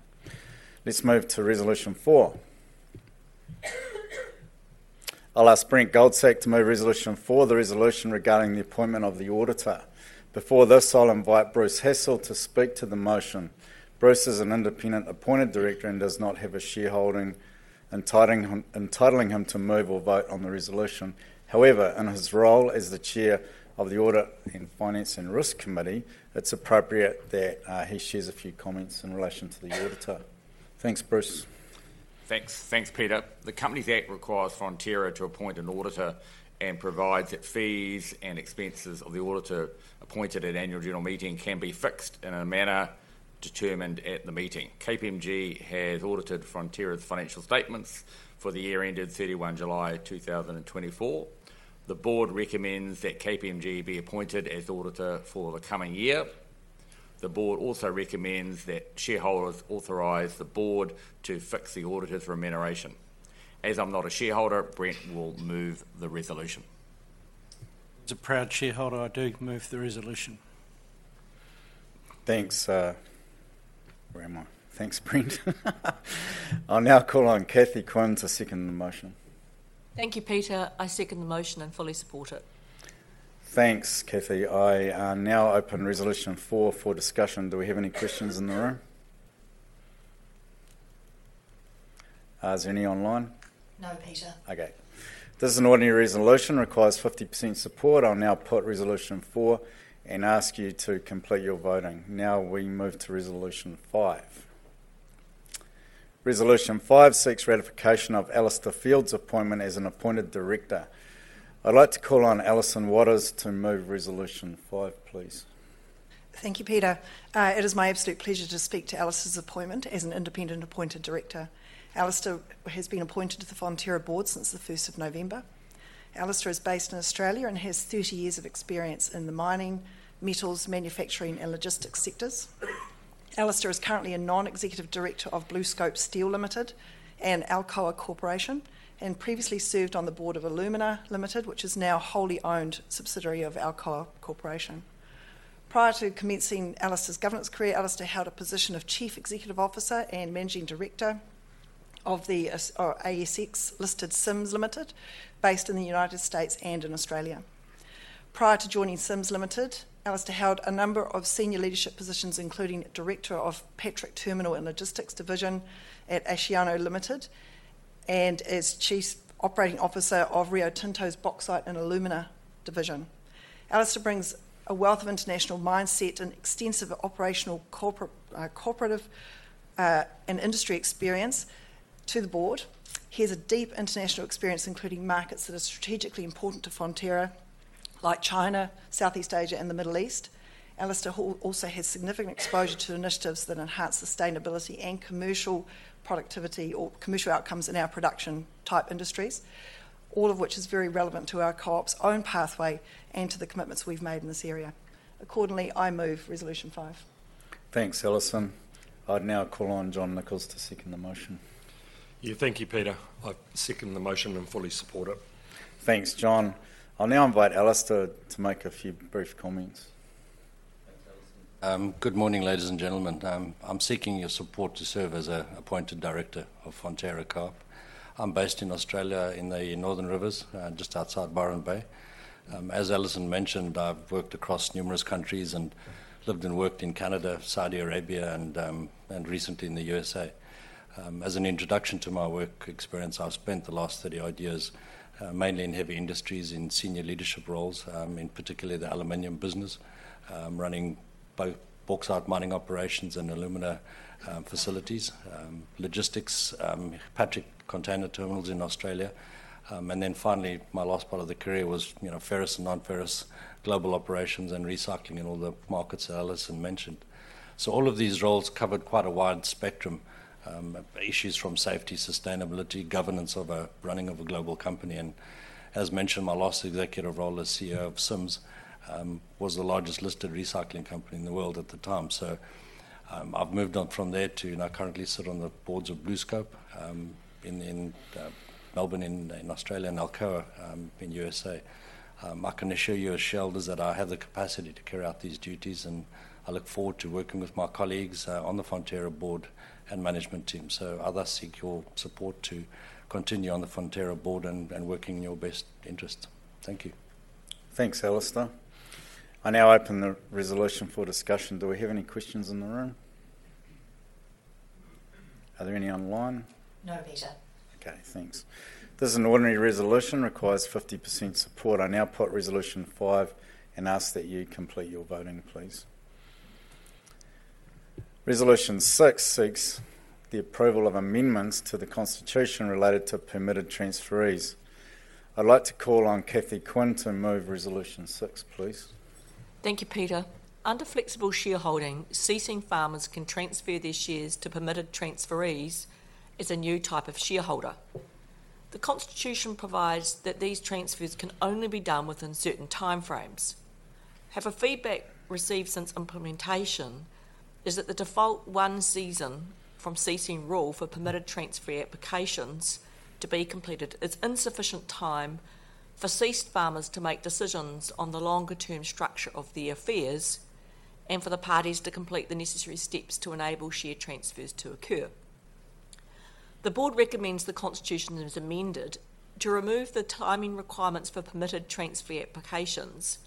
Let's move to resolution four. I'll ask Brent Goldsack to move resolution four, the resolution regarding the appointment of the auditor. Before this, I'll invite Bruce Hassall to speak to the motion. Bruce is an independent appointed director and does not have a shareholding entitling him to move or vote on the resolution. However, in his role as the chair of the Audit and Finance and Risk Committee, it's appropriate that he shares a few comments in relation to the auditor. Thanks, Bruce. Thanks, Peter. The company's act requires Fonterra to appoint an auditor and provides that fees and expenses of the auditor appointed at annual general meeting can be fixed in a manner determined at the meeting. KPMG has audited Fonterra's financial statements for the year ended 31 July 2024. The board recommends that KPMG be appointed as auditor for the coming year. The board also recommends that shareholders authorize the board to fix the auditor's remuneration. As I'm not a shareholder, Brent will move the resolution. As a proud shareholder, I do move the resolution. Thanks. Where am I? Thanks, Brent. I'll now call on Cathy Quinn to second the motion. Thank you, Peter. I second the motion and fully support it. Thanks, Cathy. I now open resolution four for discussion. Do we have any questions in the room? Is there any online? No, Peter. Okay. This is an ordinary resolution [that] requires 50% support. I'll now put resolution four and ask you to complete your voting. Now we move to resolution five. Resolution five seeks ratification of Alistair Field's appointment as an Appointed Director. I'd like to call on Alison Watters to move resolution five, please. Thank you, Peter. It is my absolute pleasure to speak to Alistair's appointment as an Independent Appointed Director. Alistair has been appointed to the Fonterra board since the 1st of November. Alistair is based in Australia and has 30 years of experience in the mining, metals, manufacturing, and logistics sectors. Alistair is currently a non-executive director of BlueScope Steel Limited and Alcoa Corporation and previously served on the board of Alumina Limited, which is now wholly owned subsidiary of Alcoa Corporation. Prior to commencing Alistair's governance career, Alistair held a position of chief executive officer and managing director of the ASX-listed Sims Limited, based in the United States and in Australia. Prior to joining Sims Limited, Alistair held a number of senior leadership positions, including director of Patrick Terminals and Logistics Division at Asciano Limited and as chief operating officer of Rio Tinto's Bauxite and Alumina Division. Alistair brings a wealth of international mindset and extensive operational, corporate, and industry experience to the board. He has a deep international experience, including markets that are strategically important to Fonterra, like China, Southeast Asia, and the Middle East. Alistair also has significant exposure to initiatives that enhance sustainability and commercial productivity or commercial outcomes in our production-type industries, all of which is very relevant to our co-op's own pathway and to the commitments we've made in this area. Accordingly, I move resolution five. Thanks, Alison. I'd now call on John Nicholls to second the motion. Yeah, thank you, Peter. I second the motion and fully support it. Thanks, John. I'll now invite Alistair to make a few brief comments. Thanks, Alison. Good morning, ladies and gentlemen. I'm seeking your support to serve as an appointed director of Fonterra Co-op. I'm based in Australia in the Northern Rivers, just outside Byron Bay. As Alison mentioned, I've worked across numerous countries and lived and worked in Canada, Saudi Arabia, and recently in the USA. As an introduction to my work experience, I've spent the last 30-odd years mainly in heavy industries in senior leadership roles, in particular the aluminum business, running both bauxite mining operations and alumina facilities, logistics, Patrick Terminals in Australia. And then finally, my last part of the career was ferrous and non-ferrous global operations and recycling in all the markets Alison mentioned. So all of these roles covered quite a wide spectrum of issues from safety, sustainability, governance of running of a global company. And as mentioned, my last executive role as CEO of Sims was the largest listed recycling company in the world at the time. So I've moved on from there to now currently sit on the boards of BlueScope in Melbourne, in Australia, and Alcoa in USA. I can assure you as shareholders that I have the capacity to carry out these duties, and I look forward to working with my colleagues on the Fonterra board and management team. So I'd like to seek your support to continue on the Fonterra board and working in your best interests. Thank you. Thanks, Alistair. I now open the resolution for discussion. Do we have any questions in the room? Are there any online? No, Peter. Okay, thanks. This is an ordinary resolution requires 50% support. I now put resolution five and ask that you complete your voting, please. Resolution six seeks the approval of amendments to the constitution related to permitted transferees. I'd like to call on Cathy Quinn to move resolution six, please. Thank you, Peter. Under flexible shareholding, ceasing farmers can transfer their shares to permitted transferees as a new type of shareholder. The constitution provides that these transfers can only be done within certain timeframes. However, feedback received since implementation is that the default one season from ceasing rule for permitted transfer applications to be completed is insufficient time for ceased farmers to make decisions on the longer-term structure of their affairs and for the parties to complete the necessary steps to enable share transfers to occur. The board recommends the constitution is amended to remove the timing requirements for permitted transfer applications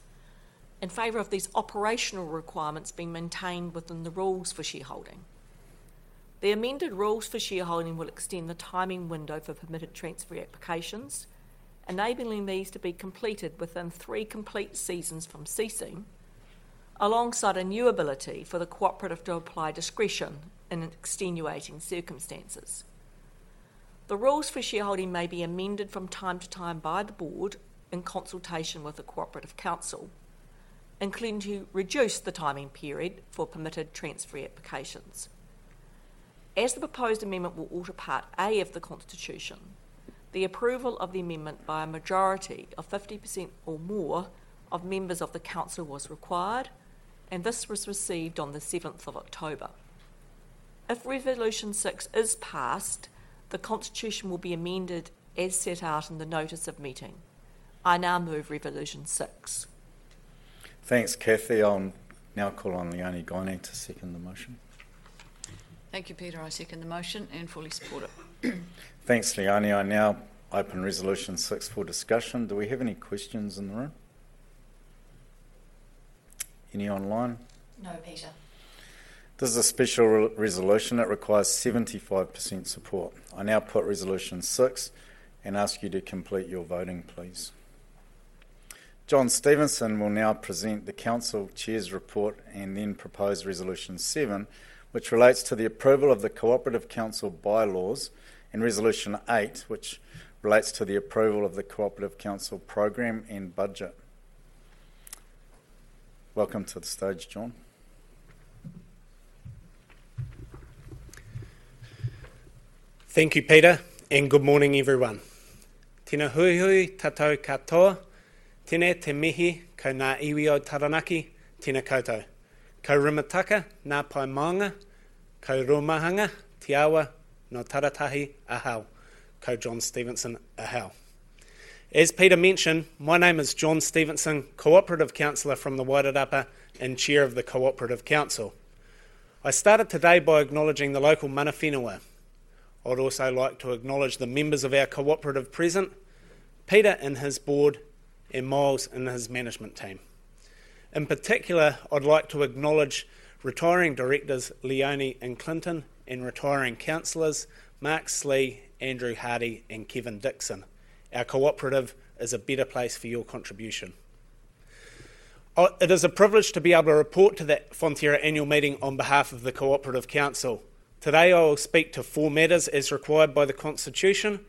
in favor of these operational requirements being maintained within the rules for shareholding. The amended rules for shareholding will extend the timing window for permitted transfer applications, enabling these to be completed within three complete seasons from ceasing, alongside a new ability for the cooperative to apply discretion in extenuating circumstances. The rules for shareholding may be amended from time to time by the Board in consultation with the Cooperative Council, including to reduce the timing period for permitted transfer applications. As the proposed amendment will alter part A of the constitution, the approval of the amendment by a majority of 50% or more of members of the council was required, and this was received on the 7th of October. If resolution six is passed, the constitution will be amended as set out in the notice of meeting. I now move resolution six. Thanks, Cathy. I'll now call on Leonie Guiney to second the motion. Thank you, Peter. I second the motion and fully support it. Thanks, Leonie. I now open resolution six for discussion. Do we have any questions in the room? Any online? No, Peter. This is a special resolution. It requires 75% support. I now put resolution six and ask you to complete your voting, please. John Stevenson will now present the Cooperative Council Chair's report and then propose resolution seven, which relates to the approval of the Cooperative Council bylaws and resolution eight, which relates to the approval of the Cooperative Council program and budget. Welcome to the stage, John. Thank you, Peter, and good morning, everyone. Tena koutou katoa, Tenei te mihi, Ki nga iwi o Taranaki, Tena koutou, Kairumataka, Naapa Manga, Kairumahanga, Te Atiawa, Nataratahi, Ahau, Ko John Stevenson, Ahau. As Peter mentioned, my name is John Stevenson, Cooperative Councillor from the Wairarapa and Chair of the Cooperative Council. I started today by acknowledging the local mana whenua. I'd also like to acknowledge the members of our cooperative present, Peter and his board, and Miles and his management team. In particular, I'd like to acknowledge retiring directors Leonie and Clinton and retiring councillors Mark Slee, Andrew Hardy, and Kevin Dixon. Our cooperative is a better place for your contribution. It is a privilege to be able to report to the Fonterra annual meeting on behalf of the cooperative council. Today, I will speak to four matters as required by the constitution.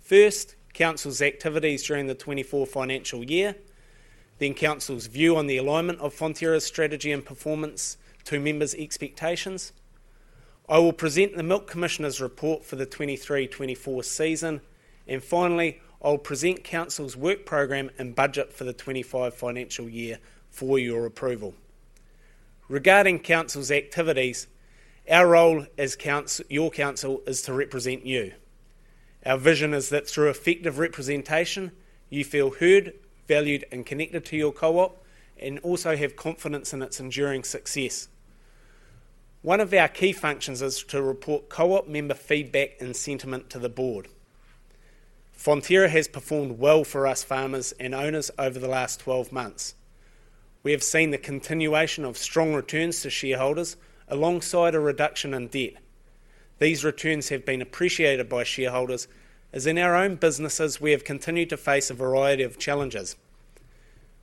First, council's activities during the 2024 financial year. Then, council's view on the alignment of Fonterra's strategy and performance to members' expectations. I will present the Milk Commissioner's report for the 2023-2024 season. And finally, I'll present council's work program and budget for the 2025 financial year for your approval. Regarding council's activities, our role as your council is to represent you. Our vision is that through effective representation, you feel heard, valued, and connected to your co-op and also have confidence in its enduring success. One of our key functions is to report co-op member feedback and sentiment to the board. Fonterra has performed well for us farmers and owners over the last 12 months. We have seen the continuation of strong returns to shareholders alongside a reduction in debt. These returns have been appreciated by shareholders as in our own businesses, we have continued to face a variety of challenges.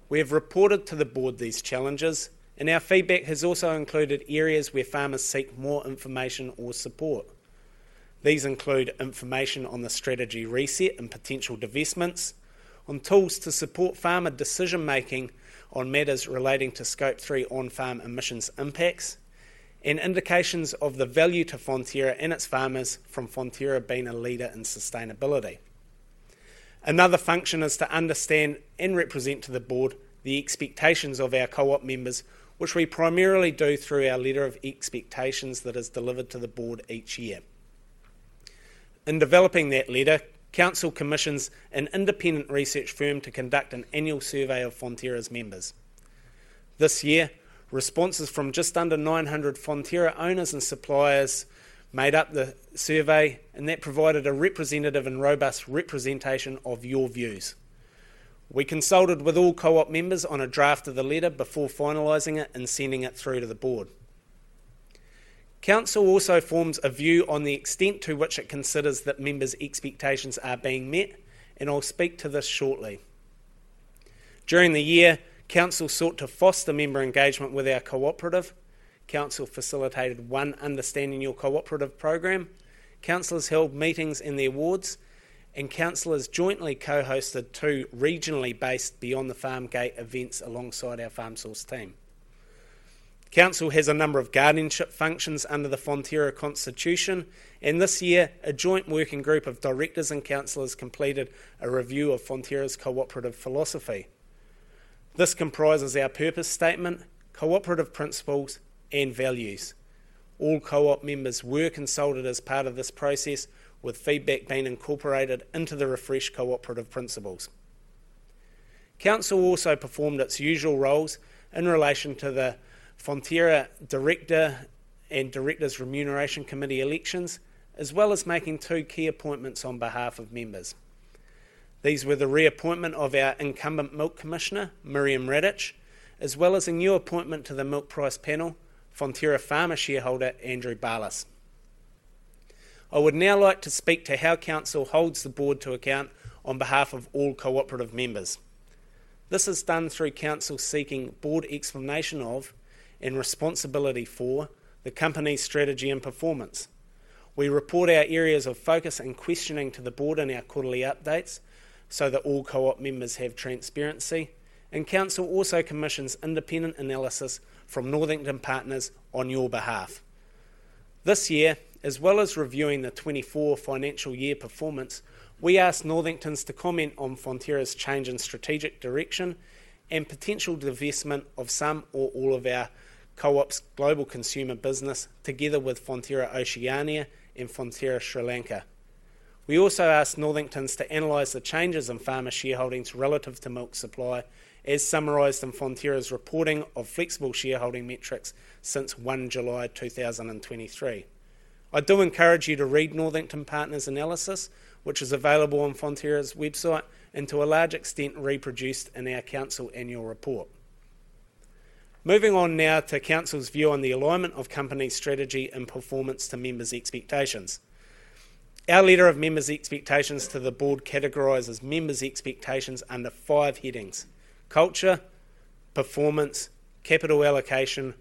We have reported to the board these challenges, and our feedback has also included areas where farmers seek more information or support. These include information on the strategy reset and potential divestments, on tools to support farmer decision-making on matters relating to Scope 3 on-farm emissions impacts, and indications of the value to Fonterra and its farmers from Fonterra being a leader in sustainability. Another function is to understand and represent to the board the expectations of our co-op members, which we primarily do through our letter of expectations that is delivered to the board each year. In developing that letter, council commissions an independent research firm to conduct an annual survey of Fonterra's members. This year, responses from just under 900 Fonterra owners and suppliers made up the survey, and that provided a representative and robust representation of your views. We consulted with all co-op members on a draft of the letter before finalizing it and sending it through to the board. Council also forms a view on the extent to which it considers that members' expectations are being met, and I'll speak to this shortly. During the year, council sought to foster member engagement with our cooperative. Council facilitated one understanding your cooperative program. Councillors held meetings in the awards, and councillors jointly co-hosted two regionally based Beyond the Farm Gate events alongside our farm source team. Council has a number of guardianship functions under the Fonterra constitution, and this year, a joint working group of directors and councillors completed a review of Fonterra's cooperative philosophy. This comprises our purpose statement, cooperative principles, and values. All co-op members were consulted as part of this process, with feedback being incorporated into the refreshed cooperative principles. Council also performed its usual roles in relation to the Fonterra director and Directors' Remuneration Committee elections, as well as making two key appointments on behalf of members. These were the reappointment of our incumbent Milk Commissioner, Miriam Dean, as well as a new appointment to the Milk Price Panel, Fonterra farmer shareholder Andrew Baylis. I would now like to speak to how council holds the board to account on behalf of all cooperative members. This is done through council seeking board explanation of and responsibility for the company's strategy and performance. We report our areas of focus and questioning to the board in our quarterly updates so that all co-op members have transparency, and council also commissions independent analysis from Northington Partners on your behalf. This year, as well as reviewing the 2024 financial year performance, we asked Northington Partners to comment on Fonterra's change in strategic direction and potential divestment of some or all of our co-op's global consumer business together with Fonterra Oceania and Fonterra Sri Lanka. We also asked Northington Partners to analyze the changes in farmer shareholdings relative to milk supply, as summarised in Fonterra's reporting of flexible shareholding metrics since 1 July 2023. I do encourage you to read Northington Partners' analysis, which is available on Fonterra's website and to a large extent reproduced in our council annual report. Moving on now to council's view on the alignment of company strategy and performance to members' expectations. Our letter of members' expectations to the board categorises members' expectations under five headings: culture, performance, capital allocation,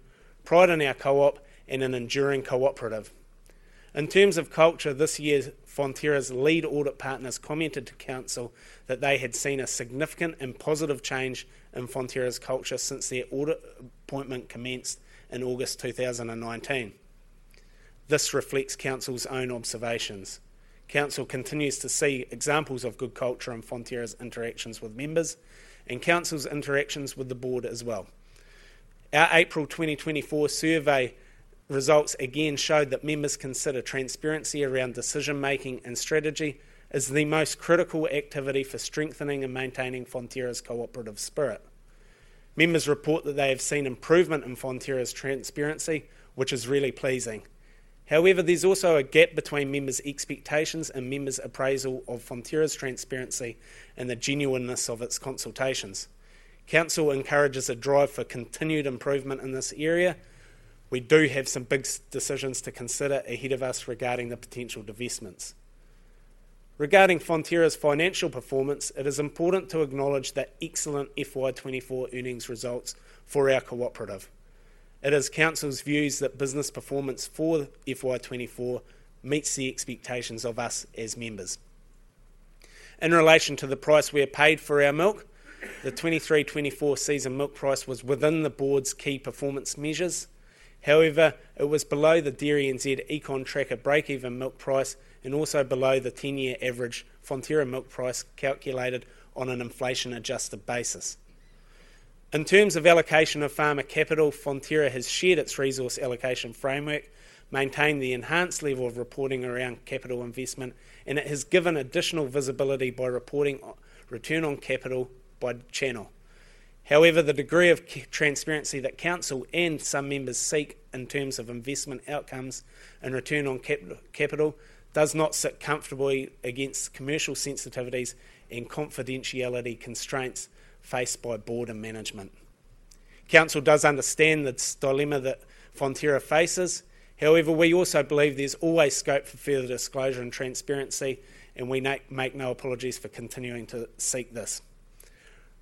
pride in our co-op, and an enduring cooperative. In terms of culture, this year, Fonterra's lead audit partners commented to council that they had seen a significant and positive change in Fonterra's culture since their audit appointment commenced in August 2019. This reflects council's own observations. Council continues to see examples of good culture in Fonterra's interactions with members and council's interactions with the board as well. Our April 2024 survey results again showed that members consider transparency around decision-making and strategy as the most critical activity for strengthening and maintaining Fonterra's cooperative spirit. Members report that they have seen improvement in Fonterra's transparency, which is really pleasing. However, there's also a gap between members' expectations and members' appraisal of Fonterra's transparency and the genuineness of its consultations. Council encourages a drive for continued improvement in this area. We do have some big decisions to consider ahead of us regarding the potential divestments. Regarding Fonterra's financial performance, it is important to acknowledge the excellent FY24 earnings results for our cooperative. It is council's views that business performance for FY24 meets the expectations of us as members. In relation to the price we are paid for our milk, the 23-24 season milk price was within the board's key performance measures. However, it was below the DairyNZ Econ Tracker break-even milk price and also below the 10-year average Fonterra milk price calculated on an inflation-adjusted basis. In terms of allocation of farmer capital, Fonterra has shared its resource allocation framework, maintained the enhanced level of reporting around capital investment, and it has given additional visibility by reporting return on capital by channel. However, the degree of transparency that council and some members seek in terms of investment outcomes and return on capital does not sit comfortably against commercial sensitivities and confidentiality constraints faced by board and management. Council does understand the dilemma that Fonterra faces. However, we also believe there's always scope for further disclosure and transparency, and we make no apologies for continuing to seek this.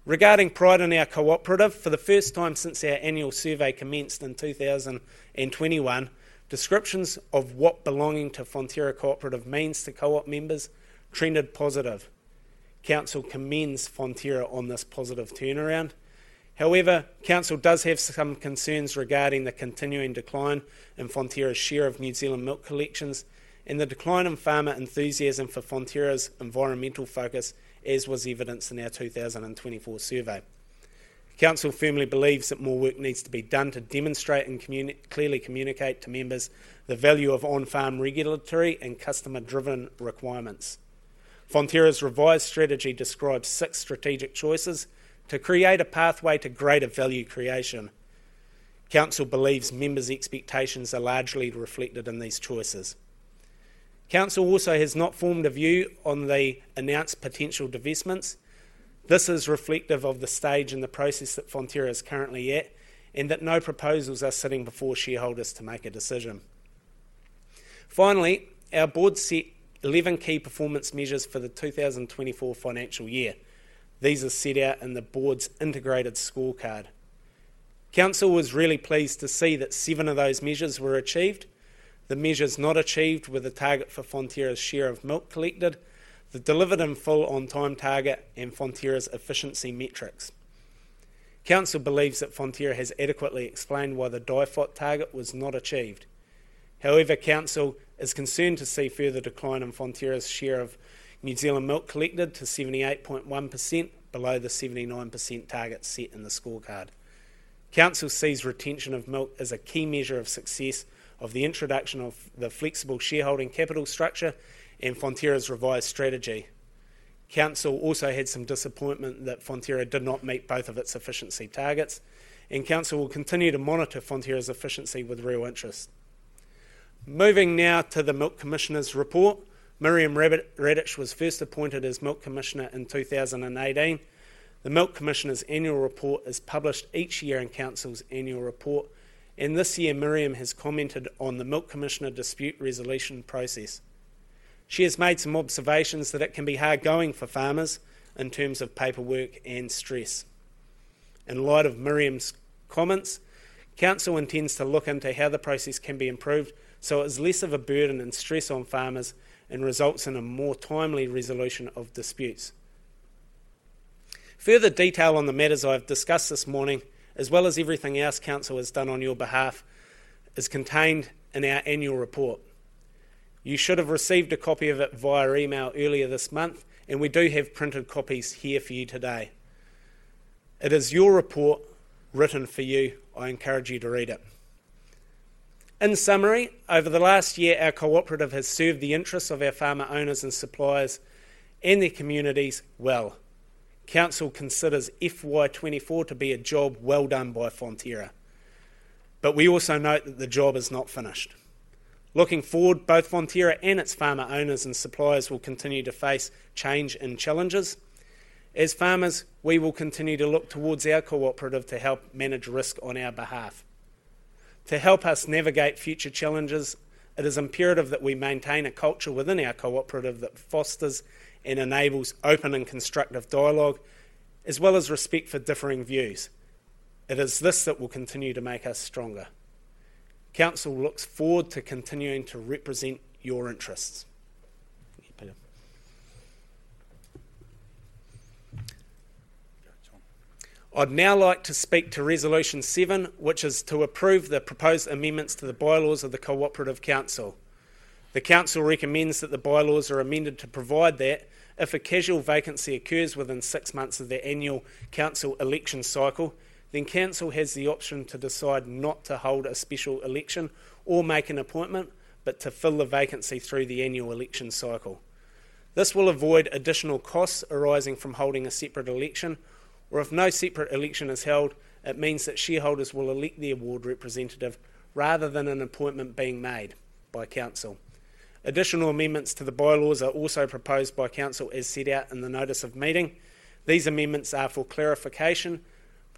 Regarding pride in our cooperative, for the first time since our annual survey commenced in 2021, descriptions of what belonging to Fonterra Cooperative means to co-op members trended positive. Council commends Fonterra on this positive turnaround. However, council does have some concerns regarding the continuing decline in Fonterra's share of New Zealand milk collections and the decline in farmer enthusiasm for Fonterra's environmental focus, as was evidenced in our 2024 survey. Council firmly believes that more work needs to be done to demonstrate and clearly communicate to members the value of on-farm regulatory and customer-driven requirements. Fonterra's revised strategy describes six strategic choices to create a pathway to greater value creation. Council believes members' expectations are largely reflected in these choices. Council also has not formed a view on the announced potential divestments. This is reflective of the stage in the process that Fonterra is currently at and that no proposals are sitting before shareholders to make a decision. Finally, our board set 11 key performance measures for the 2024 fiscal year. These are set out in the board's integrated scorecard. Council was really pleased to see that seven of those measures were achieved. The measures not achieved were the target for Fonterra's share of milk collected, the delivered and full on-time target, and Fonterra's efficiency metrics. Council believes that Fonterra has adequately explained why the DIFOT target was not achieved. However, council is concerned to see further decline in Fonterra's share of New Zealand milk collected to 78.1%, below the 79% target set in the scorecard. Council sees retention of milk as a key measure of success of the introduction of the flexible shareholding capital structure and Fonterra's revised strategy. Council also had some disappointment that Fonterra did not meet both of its efficiency targets, and council will continue to monitor Fonterra's efficiency with real interest. Moving now to the Milk Commissioner's report, Miriam Dean was first appointed as Milk Commissioner in 2018. The Milk Commissioner's annual report is published each year in council's annual report, and this year, Miriam has commented on the Milk Commissioner dispute resolution process. She has made some observations that it can be hardgoing for farmers in terms of paperwork and stress. In light of Miriam's comments, council intends to look into how the process can be improved so it is less of a burden and stress on farmers and results in a more timely resolution of disputes. Further detail on the matters I've discussed this morning, as well as everything else council has done on your behalf, is contained in our annual report. You should have received a copy of it via email earlier this month, and we do have printed copies here for you today. It is your report written for you. I encourage you to read it. In summary, over the last year, our cooperative has served the interests of our farmer owners and suppliers and their communities well. Council considers FY24 to be a job well done by Fonterra, but we also note that the job is not finished. Looking forward, both Fonterra and its farmer owners and suppliers will continue to face change and challenges. As farmers, we will continue to look towards our cooperative to help manage risk on our behalf. To help us navigate future challenges, it is imperative that we maintain a culture within our cooperative that fosters and enables open and constructive dialogue, as well as respect for differing views. It is this that will continue to make us stronger. The Cooperative Council looks forward to continuing to represent your interests. I'd now like to speak to resolution seven, which is to approve the proposed amendments to the bylaws of the Cooperative Council. The Cooperative Council recommends that the bylaws are amended to provide that if a casual vacancy occurs within six months of the annual Cooperative Council election cycle, then the Cooperative Council has the option to decide not to hold a special election or make an appointment, but to fill the vacancy through the annual election cycle. This will avoid additional costs arising from holding a separate election, or if no separate election is held, it means that shareholders will elect the ward representative rather than an appointment being made by the Cooperative Council. Additional amendments to the bylaws are also proposed by the Cooperative Council as set out in the notice of meeting. These amendments are for clarification.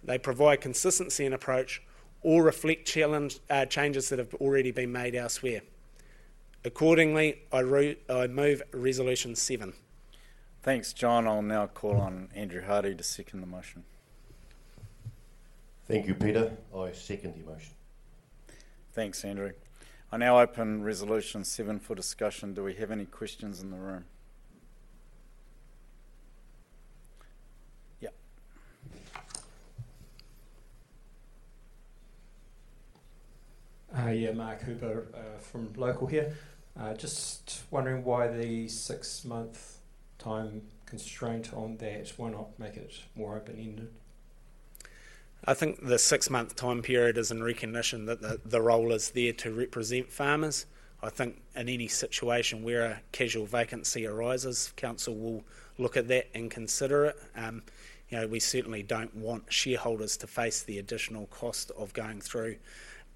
They provide consistency in approach or reflect changes that have already been made elsewhere. Accordingly, I move resolution seven. Thanks, John. I'll now call on Andrew Hardy to second the motion. Thank you, Peter. I second the motion. Thanks, Andrew. I now open resolution seven for discussion. Do we have any questions in the room? Yeah. Yeah, Mark Hooper from Local here. Just wondering why the six-month time constraint on that will not make it more open-ended. I think the six-month time period is in recognition that the role is there to represent farmers. I think in any situation where a casual vacancy arises, council will look at that and consider it. We certainly don't want shareholders to face the additional cost of going through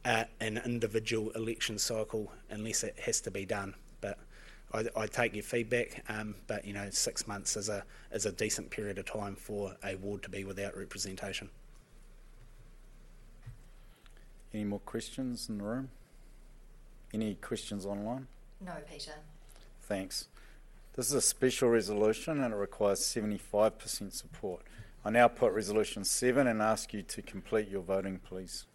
an individual election cycle unless it has to be done. But I take your feedback, but six months is a decent period of time for a ward to be without representation. Any more questions in the room? Any questions online? No, Peter. Thanks. This is a special resolution, and it requires 75% support. I now put resolution seven and ask you to complete your voting, please.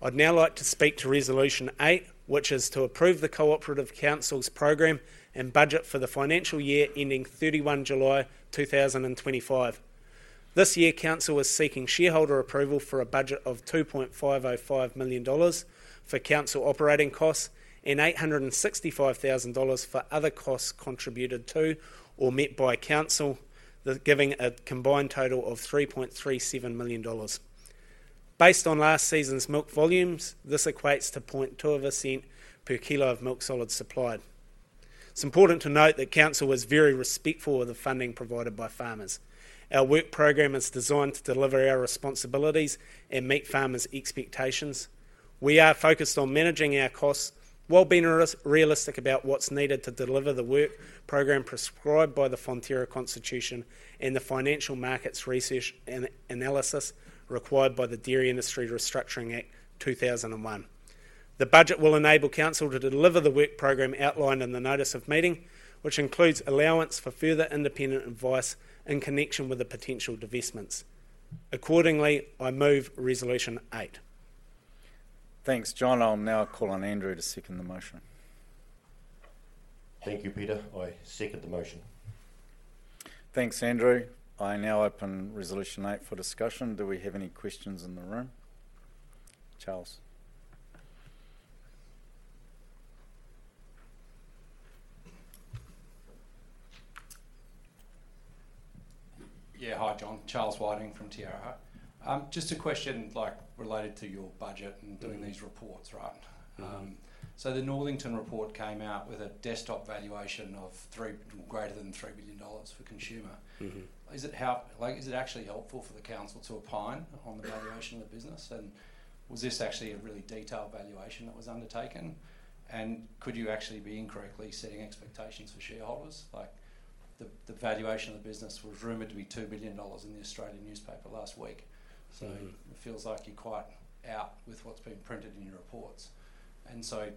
I'd now like to speak to resolution eight, which is to approve the Cooperative Council's program and budget for the financial year ending 31 July 2025. This year, Council is seeking shareholder approval for a budget of 2.505 million dollars for Council operating costs and 865,000 dollars for other costs contributed to or met by Council, giving a combined total of 3.37 million dollars. Based on last season's milk volumes, this equates to 0.2% per kilo of milk solids supplied. It's important to note that Council was very respectful of the funding provided by farmers. Our work program is designed to deliver our responsibilities and meet farmers' expectations. We are focused on managing our costs while being realistic about what's needed to deliver the work program prescribed by the Fonterra Constitution and the financial markets research and analysis required by the Dairy Industry Restructuring Act 2001. The budget will enable Council to deliver the work program outlined in the notice of meeting, which includes allowance for further independent advice in connection with the potential divestments. Accordingly, I move resolution eight. Thanks, John. I'll now call on Andrew to second the motion. Thank you, Peter. I second the motion. Thanks, Andrew. I now open resolution eight for discussion. Do we have any questions in the room? Charles. Yeah, hi, John. Charles Whiting from TRI. Just a question related to your budget and doing these reports, right? So the Northington report came out with a desktop valuation of greater than 3 billion dollars for consumer. Is it actually helpful for the council to opine on the valuation of the business? And was this actually a really detailed valuation that was undertaken? And could you actually be incorrectly setting expectations for shareholders? The valuation of the business was rumored to be 2 billion dollars in the Australian newspaper last week. So it feels like you're quite out with what's been printed in your reports. And so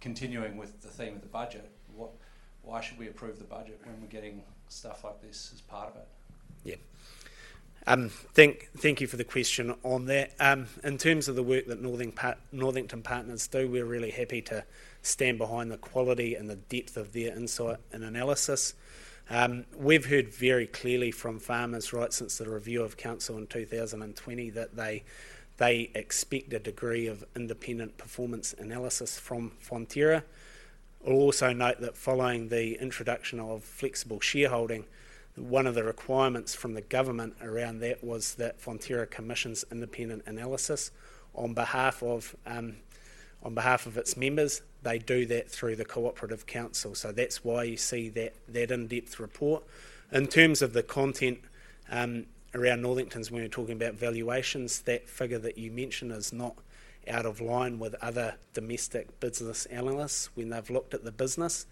continuing with the theme of the budget, why should we approve the budget when we're getting stuff like this as part of it? Yeah. Thank you for the question on that. In terms of the work that Northington Partners do, we're really happy to stand behind the quality and the depth of their insight and analysis. We've heard very clearly from farmers right since the review of council in 2020 that they expect a degree of independent performance analysis from Fonterra. I'll also note that following the introduction of flexible shareholding, one of the requirements from the government around that was that Fonterra commissions independent analysis on behalf of its members. They do that through the cooperative council. So that's why you see that in-depth report. In terms of the content around Northington's, when you're talking about valuations, that figure that you mentioned is not out of line with other domestic business analysts when they've looked at the business.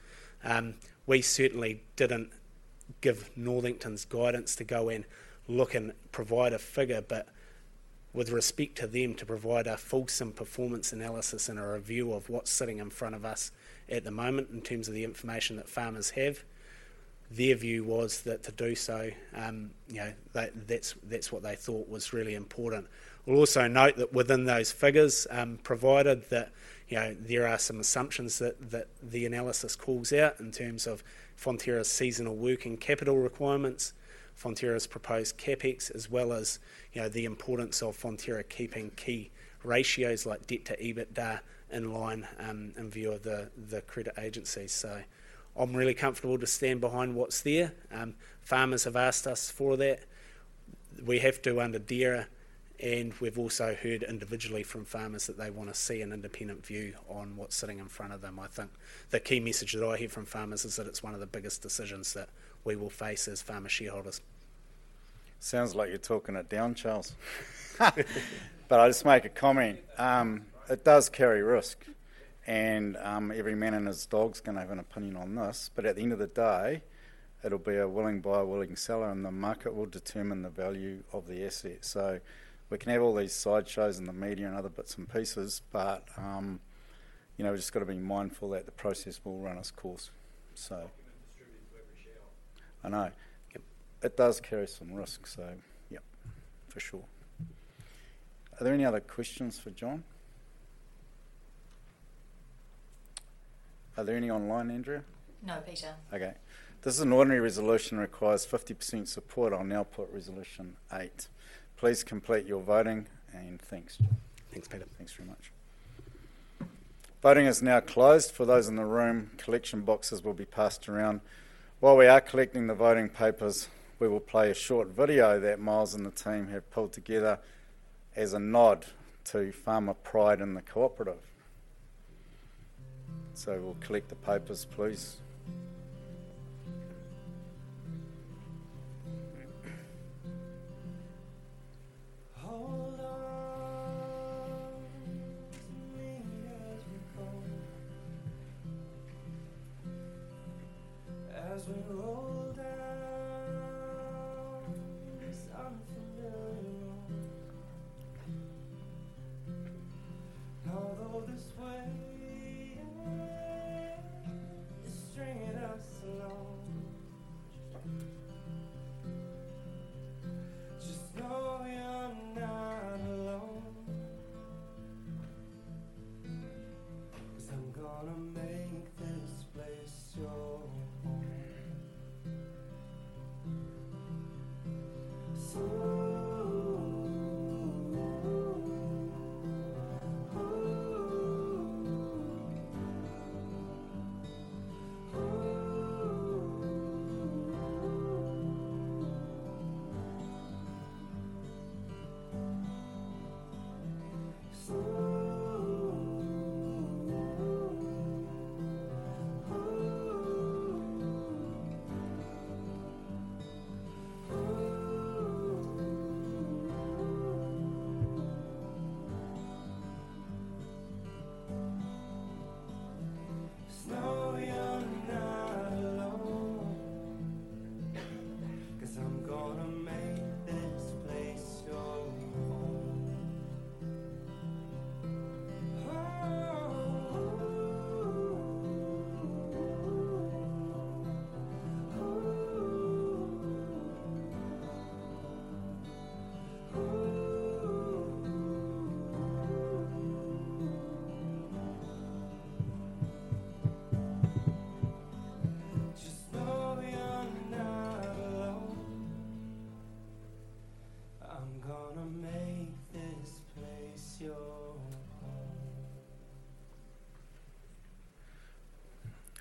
We certainly didn't give Northington's guidance to go and look and provide a figure, but with respect to them to provide a fulsome performance analysis and a review of what's sitting in front of us at the moment in terms of the information that farmers have, their view was that to do so, that's what they thought was really important. We'll also note that within those figures provided that there are some assumptions that the analysis calls out in terms of Fonterra's seasonal working capital requirements, Fonterra's proposed CapEx, as well as the importance of Fonterra keeping key ratios like debt to EBITDA in line in view of the credit agency. So I'm really comfortable to stand behind what's there. Farmers have asked us for that. We have to under DIRA, and we've also heard individually from farmers that they want to see an independent view on what's sitting in front of them. I think the key message that I hear from farmers is that it's one of the biggest decisions that we will face as farmer shareholders. Sounds like you're talking it down, Charles. But I'll just make a comment. It does carry risk, and every man and his dog's going to have an opinion on this. But at the end of the day, it'll be a willing-buy, willing-seller, and the market will determine the value of the asset. So we can have all these sideshows in the media and other bits and pieces, but we've just got to be mindful that the process will run its course. I know. It does carry some risk, so yeah, for sure. Are there any other questions for John? Are there any online, Andrew? No, Peter. Okay. This is an ordinary resolution that requires 50% support. I'll now put resolution eight. Please complete your voting, and thanks. Thanks, Peter. Thanks very much. Voting is now closed. For those in the room, collection boxes will be passed around. While we are collecting the voting papers, we will play a short video that Miles and the team have pulled together as a nod to farmer pride in the cooperative. So we'll collect the papers, please.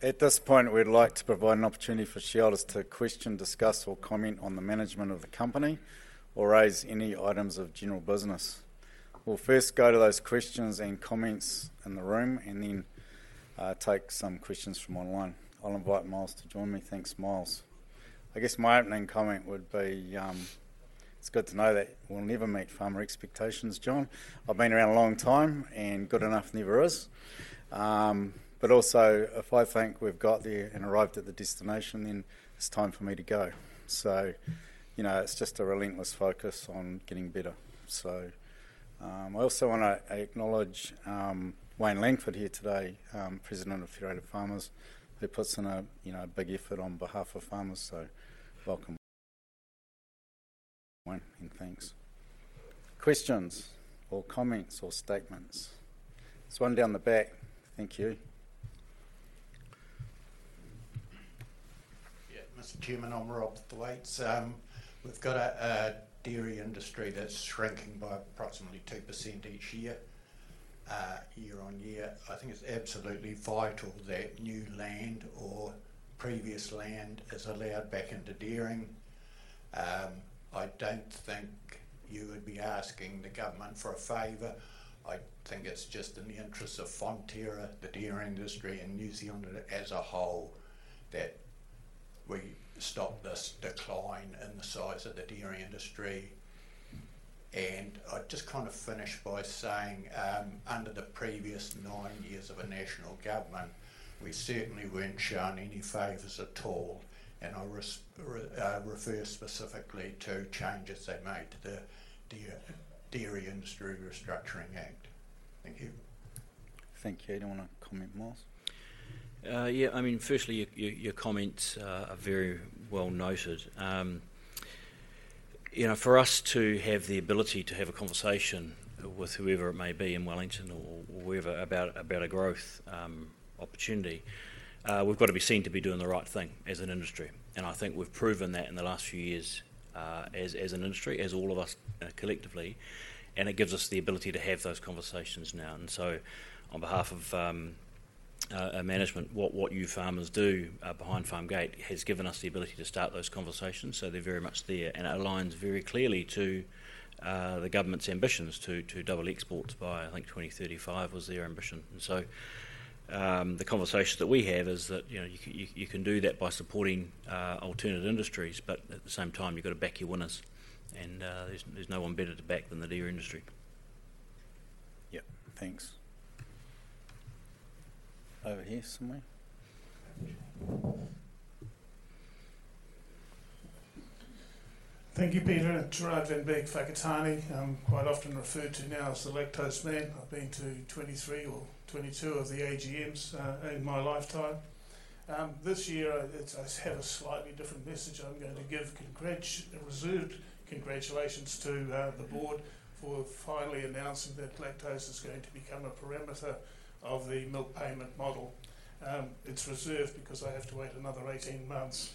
At this point, we'd like to provide an opportunity for shareholders to question, discuss, or comment on the management of the company or raise any items of general business. We'll first go to those questions and comments in the room and then take some questions from online. I'll invite Miles to join me. Thanks, Miles. I guess my opening comment would be, it's good to know that we'll never meet farmer expectations, John. I've been around a long time, and good enough never is. But also, if I think we've got there and arrived at the destination, then it's time for me to go. So it's just a relentless focus on getting better. So I also want to acknowledge Wayne Langford here today, President of Federated Farmers, who puts in a big effort on behalf of farmers. So welcome. And thanks. Questions or comments or statements? There's one down the back. Thank you. Yeah, Mr. Chairman, I'm Rob Thwaites. We've got a dairy industry that's shrinking by approximately 2% each year, year on year. I think it's absolutely vital that new land or previous land is allowed back into dairying. I don't think you would be asking the government for a favour. I think it's just in the interest of Fonterra, the dairy industry, and New Zealand as a whole that we stop this decline in the size of the dairy industry. And I'd just kind of finish by saying, under the previous nine years of a national government, we certainly weren't shown any favours at all. And I refer specifically to changes they made to the Dairy Industry Restructuring Act. Thank you. Thank you. Anyone want to comment, Miles? Yeah, I mean, firstly, your comments are very well noted. For us to have the ability to have a conversation with whoever it may be in Wellington or wherever about a growth opportunity, we've got to be seen to be doing the right thing as an industry. And I think we've proven that in the last few years as an industry, as all of us collectively. And it gives us the ability to have those conversations now. And so on behalf of management, what you farmers do behind farm gate has given us the ability to start those conversations. So they're very much there. And it aligns very clearly to the government's ambitions to double exports by, I think, 2035 was their ambition. And so the conversation that we have is that you can do that by supporting alternate industries, but at the same time, you've got to back your winners. And there's no one better to back than the dairy industry. Yeah, thanks. Over here somewhere. Thank you, Peter. Gerard van Beek from Whakatāne, I'm quite often referred to now as the lactose man. I've been to 23 or 22 of the AGMs in my lifetime. This year, I have a slightly different message I'm going to give. Reserved congratulations to the board for finally announcing that lactose is going to become a parameter of the milk payment model. It's reserved because I have to wait another 18 months.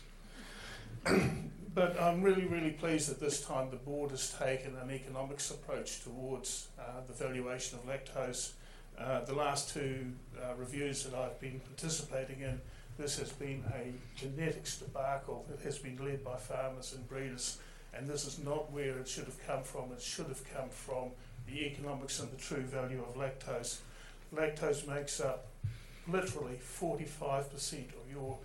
But I'm really, really pleased that this time the board has taken an economics approach towards the valuation of lactose. The last two reviews that I've been participating in, this has been a genetics debacle that has been led by farmers and breeders. And this is not where it should have come from. It should have come from the economics and the true value of lactose. Lactose makes up literally 45% of your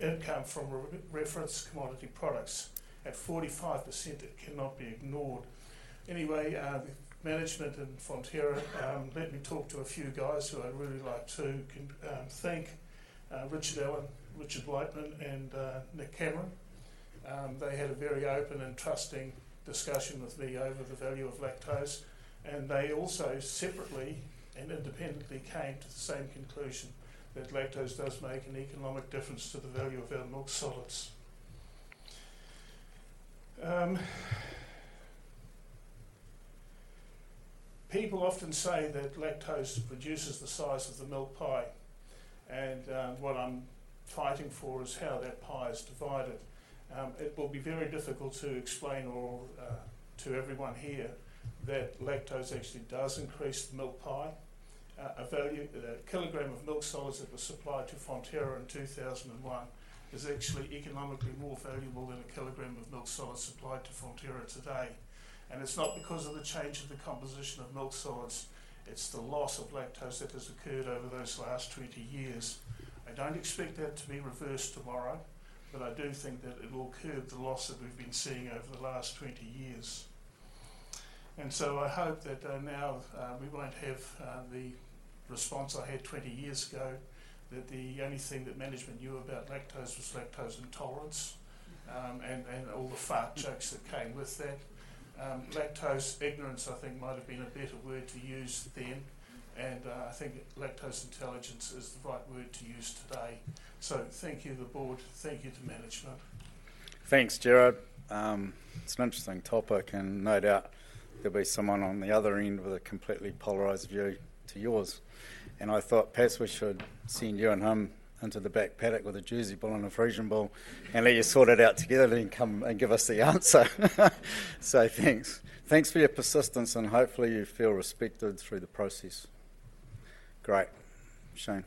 income from reference commodity products. At 45%, it cannot be ignored. Anyway, management in Fonterra, let me talk to a few guys who I'd really like to thank, Richard Allen, Richard Whiteman, and Nick Cameron. They had a very open and trusting discussion with me over the value of lactose, and they also separately and independently came to the same conclusion that lactose does make an economic difference to the value of our milk solids. People often say that lactose reduces the size of the milk pie, and what I'm fighting for is how that pie is divided. It will be very difficult to explain to everyone here that lactose actually does increase the milk pie. A kilogram of milk solids that was supplied to Fonterra in 2001 is actually economically more valuable than a kilogram of milk solids supplied to Fonterra today, and it's not because of the change of the composition of milk solids. It's the loss of lactose that has occurred over those last 20 years. I don't expect that to be reversed tomorrow, but I do think that it will curb the loss that we've been seeing over the last 20 years, and so I hope that now we won't have the response I had 20 years ago, that the only thing that management knew about lactose was lactose intolerance and all the fart jokes that came with that. Lactose ignorance, I think, might have been a better word to use then, and I think lactose intelligence is the right word to use today, so thank you to the board. Thank you to management. Thanks, Gerard. It's an interesting topic, and no doubt there'll be someone on the other end with a completely polarized view to yours, and I thought perhaps we should send you and him into the back paddock with a Jersey bull and a Friesian bull and let you sort it out together, then come and give us the answer, so thanks. Thanks for your persistence, and hopefully you feel respected through the process. Great. Shane.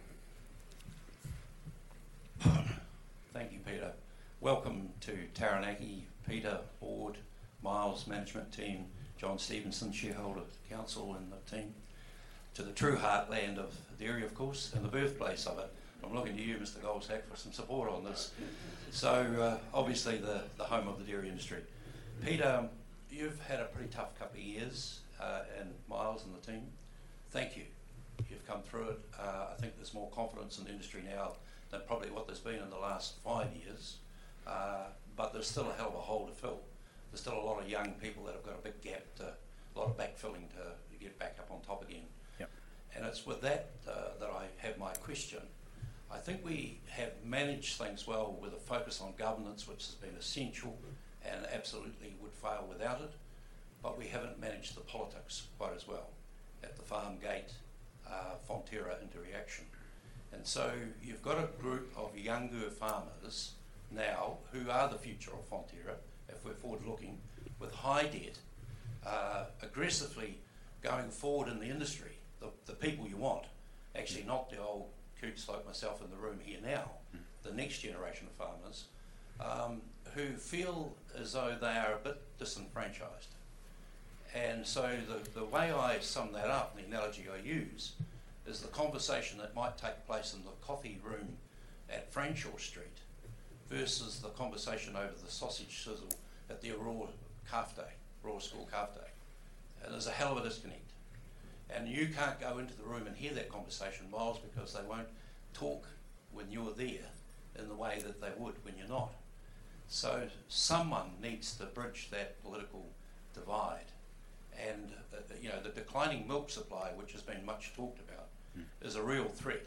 Thank you, Peter. Welcome to Taranaki, Peter, Board, Miles, management team, John Stevenson, shareholders, council, and the team, to the true heartland of the dairy, of course, and the birthplace of it. I'm looking to you, Mr. Goldsack, for some support on this, so obviously the home of the dairy industry. Peter, you've had a pretty tough couple of years, and Miles and the team, thank you. You've come through it. I think there's more confidence in the industry now than probably what there's been in the last five years. But there's still a hell of a hole to fill. There's still a lot of young people that have got a big gap, a lot of backfilling to get back up on top again. And it's with that that I have my question. I think we have managed things well with a focus on governance, which has been essential and absolutely would fail without it. But we haven't managed the politics quite as well at the farm gate, Fonterra into reaction. And so you've got a group of younger farmers now who are the future of Fonterra, if we're forward-looking, with high debt, aggressively going forward in the industry. The people you want, actually not the old co-op's own myself in the room here now, the next generation of farmers who feel as though they are a bit disenfranchised, and so the way I sum that up, the analogy I use, is the conversation that might take place in the coffee room at Fanshawe Street versus the conversation over the sausage sizzle at the hall school café, and there's a hell of a disconnect, and you can't go into the room and hear that conversation, Miles, because they won't talk when you're there in the way that they would when you're not, so someone needs to bridge that political divide, and the declining milk supply, which has been much talked about, is a real threat,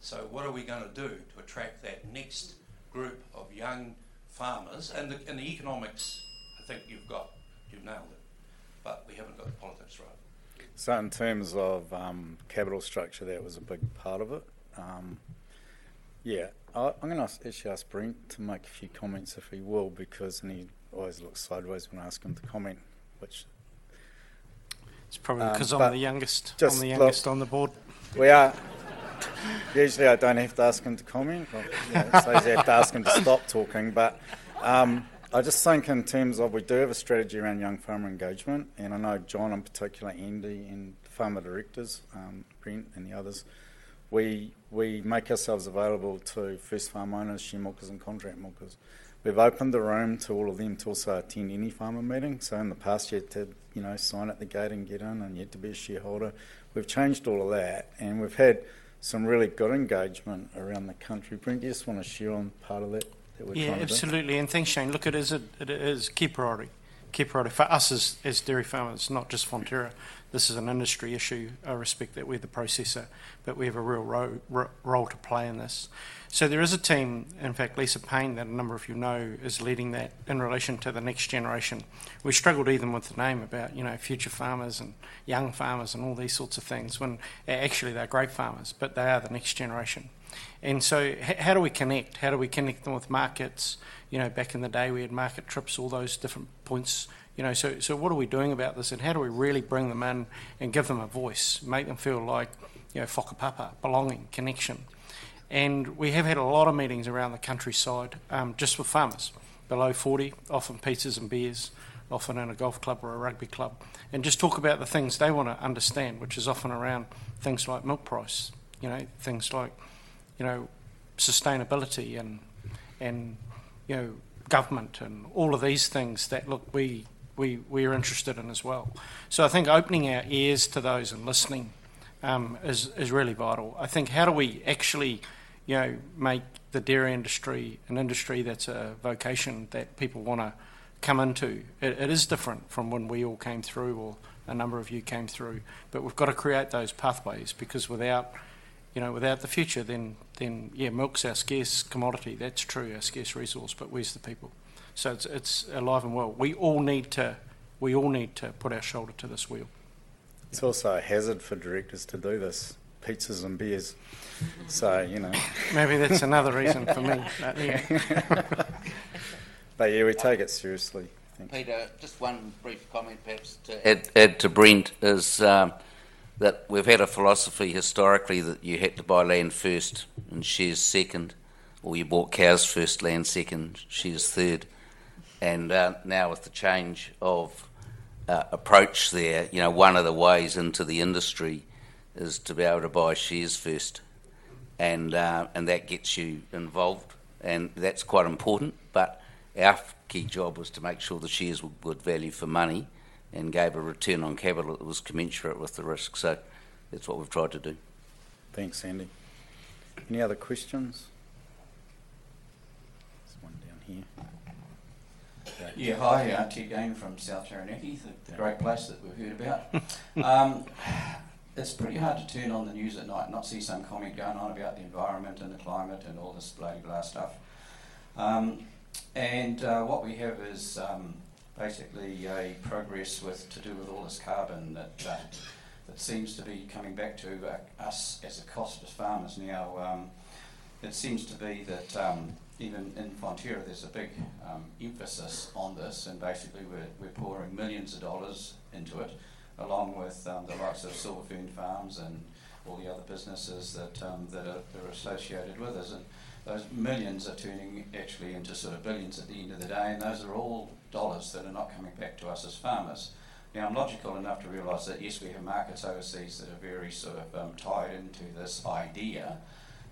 so what are we going to do to attract that next group of young farmers, and the economics, I think you've nailed it. We haven't got the politics right. So in terms of capital structure, that was a big part of it. Yeah. I'm going to actually ask Brent to make a few comments if he will, because he always looks sideways when I ask him to comment, which it's probably because I'm the youngest on the board. Usually I don't have to ask him to comment. I always have to ask him to stop talking. But I just think in terms of we do have a strategy around young farmer engagement. And I know John in particular, Andy and the farmer directors, Brent and the others, we make ourselves available to first farm owners, sharemilkers, and contract milkers. We've opened the room to all of them to also attend any farmer meeting. So in the past, you had to sign at the gate and get in, and you had to be a shareholder. We've changed all of that. And we've had some really good engagement around the country. Brent, you just want to share on part of that that we're trying to do? Yeah, absolutely. And thanks, Shane. Look, it is a key priority. Key priority for us as dairy farmers, not just Fonterra. This is an industry issue. I respect that we're the processor, but we have a real role to play in this. So there is a team, in fact, Lisa Payne, that a number of you know, is leading that in relation to the next generation. We struggled even with the name about future farmers and young farmers and all these sorts of things. When actually they're great farmers, but they are the next generation. And so how do we connect? How do we connect them with markets? Back in the day, we had market trips, all those different points. So what are we doing about this? And how do we really bring them in and give them a voice, make them feel like whakapapa, belonging, connection? And we have had a lot of meetings around the countryside just with farmers, below 40, often pizzas and beers, often in a golf club or a rugby club, and just talk about the things they want to understand, which is often around things like milk price, things like sustainability and government and all of these things that, look, we are interested in as well. So I think opening our ears to those and listening is really vital. I think how do we actually make the dairy industry an industry that's a vocation that people want to come into? It is different from when we all came through or a number of you came through. But we've got to create those pathways because without the future, then yeah, milk's our scarce commodity. That's true, our scarce resource, but where's the people? So it's alive and well. We all need to put our shoulder to this wheel. It's also a hazard for directors to do this, pizzas and beers. So maybe that's another reason for me. But yeah, we take it seriously. Peter, just one brief comment perhaps to add to Brent is that we've had a philosophy historically that you had to buy land first and shares second, or you bought cows first, land second, shares third. And now with the change of approach there, one of the ways into the industry is to be able to buy shares first. And that gets you involved. And that's quite important. But our key job was to make sure the shares were good value for money and gave a return on capital that was commensurate with the risk. So that's what we've tried to do. Thanks, Andy. Any other questions? There's one down here. Yeah, hi here. Andy again from South Taranaki. Great place that we've heard about. It's pretty hard to turn on the news at night and not see some comment going on about the environment and the climate and all this bloody blah stuff. And what we have is basically a process to do with all this carbon that seems to be coming back to us as a cost to farmers now. It seems to be that even in Fonterra, there's a big emphasis on this. And basically, we're pouring millions of dollars into it, along with the likes of Silver Fern Farms and all the other businesses that are associated with us. And those millions are turning actually into sort of billions at the end of the day. And those are all dollars that are not coming back to us as farmers. Now, I'm logical enough to realize that, yes, we have markets overseas that are very sort of tied into this idea.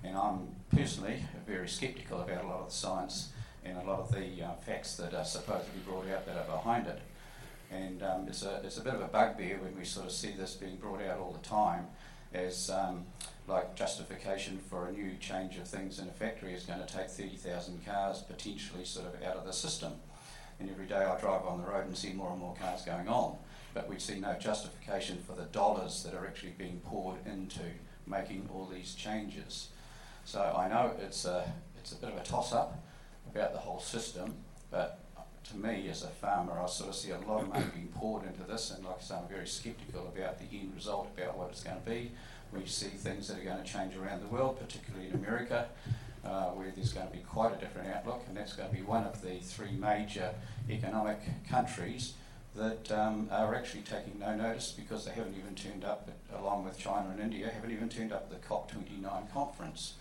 And I'm personally very skeptical about a lot of the science and a lot of the facts that are supposed to be brought out that are behind it. It's a bit of a bugbear when we sort of see this being brought out all the time as like justification for a new change of things in a factory is going to take 30,000 cars potentially sort of out of the system. Every day I drive on the road and see more and more cars going on. We see no justification for the dollars that are actually being poured into making all these changes. I know it's a bit of a toss-up about the whole system. To me, as a farmer, I sort of see a lot of money being poured into this. Like I say, I'm very skeptical about the end result, about what it's going to be. We see things that are going to change around the world, particularly in America, where there's going to be quite a different outlook. And that's going to be one of the three major economic countries that are actually taking no notice because they haven't even turned up, along with China and India, haven't even turned up at the COP29 conference.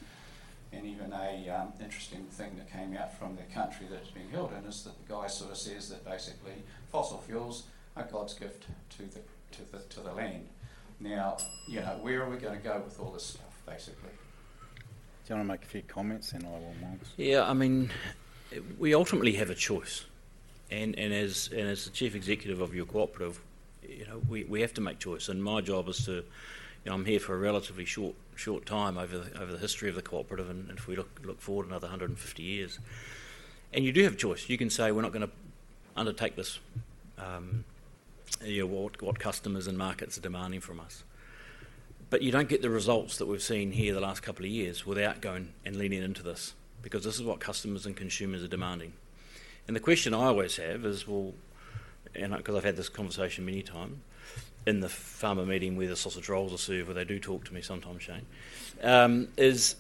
And even an interesting thing that came out from the country that it's being held in is that the guy sort of says that basically fossil fuels are God's gift to the land. Now, where are we going to go with all this stuff, basically? Do you want to make a few comments in a little while? Yeah. I mean, we ultimately have a choice. And as the Chief Executive of your cooperative, we have to make choice. And my job is. I'm here for a relatively short time over the history of the cooperative. And if we look forward another 150 years, and you do have a choice. You can say, "We're not going to undertake this," what customers and markets are demanding from us but you don't get the results that we've seen here the last couple of years without going and leaning into this because this is what customers and consumers are demanding and the question I always have is, well, and because I've had this conversation many times in the farmer meeting where the sausage rolls are served, where they do talk to me sometimes, Shane, is,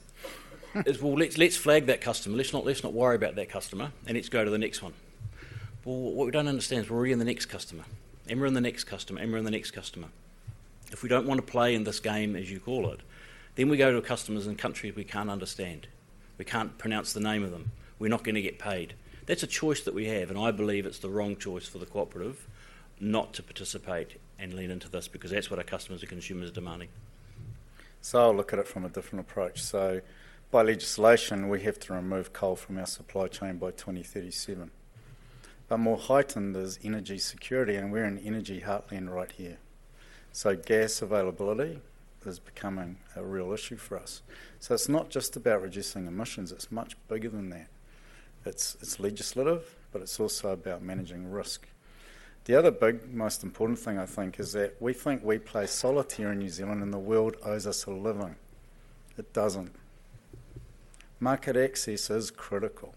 well, let's flag that customer. Let's not worry about that customer and let's go to the next one well what we don't understand is we're in the next customer and we're in the next customer and we're in the next customer. If we don't want to play in this game, as you call it, then we go to customers in countries we can't understand. We can't pronounce the name of them. We're not going to get paid. That's a choice that we have. And I believe it's the wrong choice for the cooperative not to participate and lean into this because that's what our customers and consumers are demanding. So I'll look at it from a different approach. So by legislation, we have to remove coal from our supply chain by 2037. But more heightened is energy security. And we're in energy heartland right here. So gas availability is becoming a real issue for us. So it's not just about reducing emissions. It's much bigger than that. It's legislative, but it's also about managing risk. The other big, most important thing I think is that we think we play solitary in New Zealand and the world owes us a living. It doesn't. Market access is critical.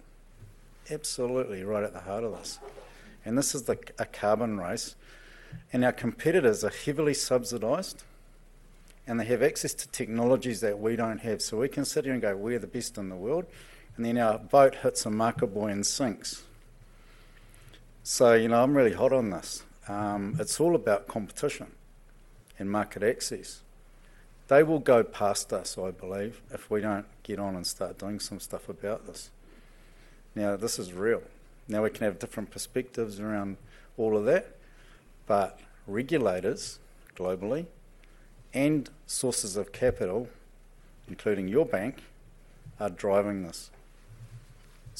Absolutely right at the heart of this. This is a carbon race. Our competitors are heavily subsidized. They have access to technologies that we don't have. We can sit here and go, "We're the best in the world." Our boat hits a marker buoy and sinks. I'm really hot on this. It's all about competition and market access. They will go past us, I believe, if we don't get on and start doing some stuff about this. Now, this is real. Now, we can have different perspectives around all of that. Regulators globally and sources of capital, including your bank, are driving this.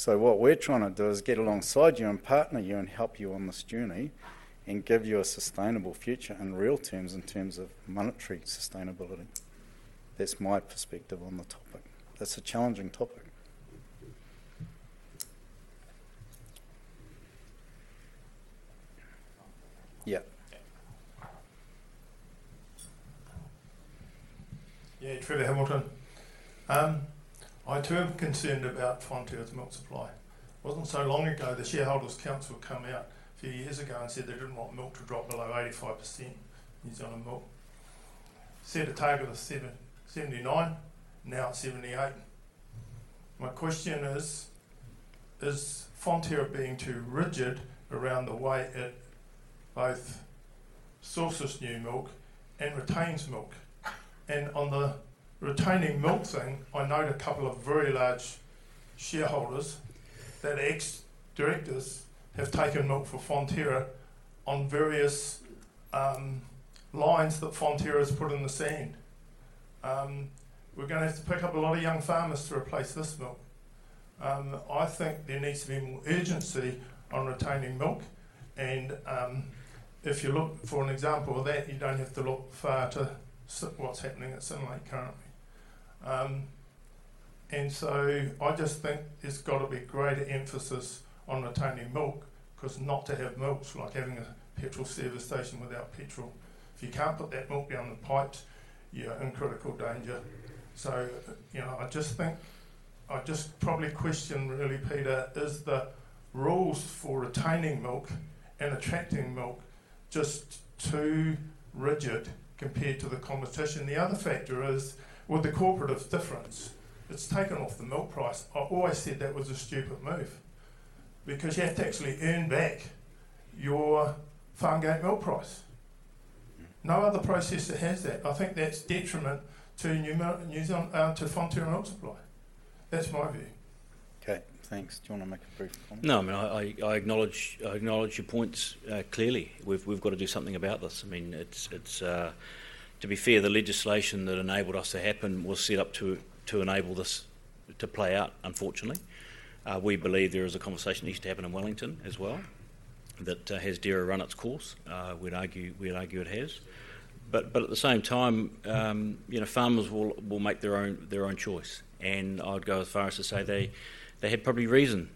What we're trying to do is get alongside you and partner you and help you on this journey and give you a sustainable future in real terms in terms of monetary sustainability. That's my perspective on the topic. That's a challenging topic. Yeah. Yeah, Trevor Hamilton. I too am concerned about Fonterra's milk supply. It wasn't so long ago the shareholders' council came out a few years ago and said they didn't want milk to drop below 85% in New Zealand milk. Set a target of 79%, now at 78%. My question is, is Fonterra being too rigid around the way it both sources new milk and retains milk? And on the retaining milk thing, I know a couple of very large shareholders that ex-directors have taken milk from Fonterra on various lines that Fonterra has put in the sand. We're going to have to pick up a lot of young farmers to replace this milk. I think there needs to be more urgency on retaining milk. And if you look for an example of that, you don't have to look far to what's happening at Synlait currently. I just think there's got to be greater emphasis on retaining milk because not to have milk is like having a petrol service station without petrol. If you can't put that milk down the pipes, you're in critical danger. So I just think probably question really, Peter, are the rules for retaining milk and attracting milk just too rigid compared to the competition? The other factor is with The Co-operative Difference, it's taken off the milk price. I always said that was a stupid move because you have to actually earn back your farmgate milk price. No other processor has that. I think that's detriment to Fonterra milk supply. That's my view. Okay. Thanks. Do you want to make a brief comment? No, I mean, I acknowledge your points clearly. We've got to do something about this. I mean, to be fair, the legislation that enabled us to happen was set up to enable this to play out, unfortunately. We believe there is a conversation that needs to happen in Wellington as well, that dairy has run its course. We'd argue it has, but at the same time, farmers will make their own choice, and I'd go as far as to say they had probably reason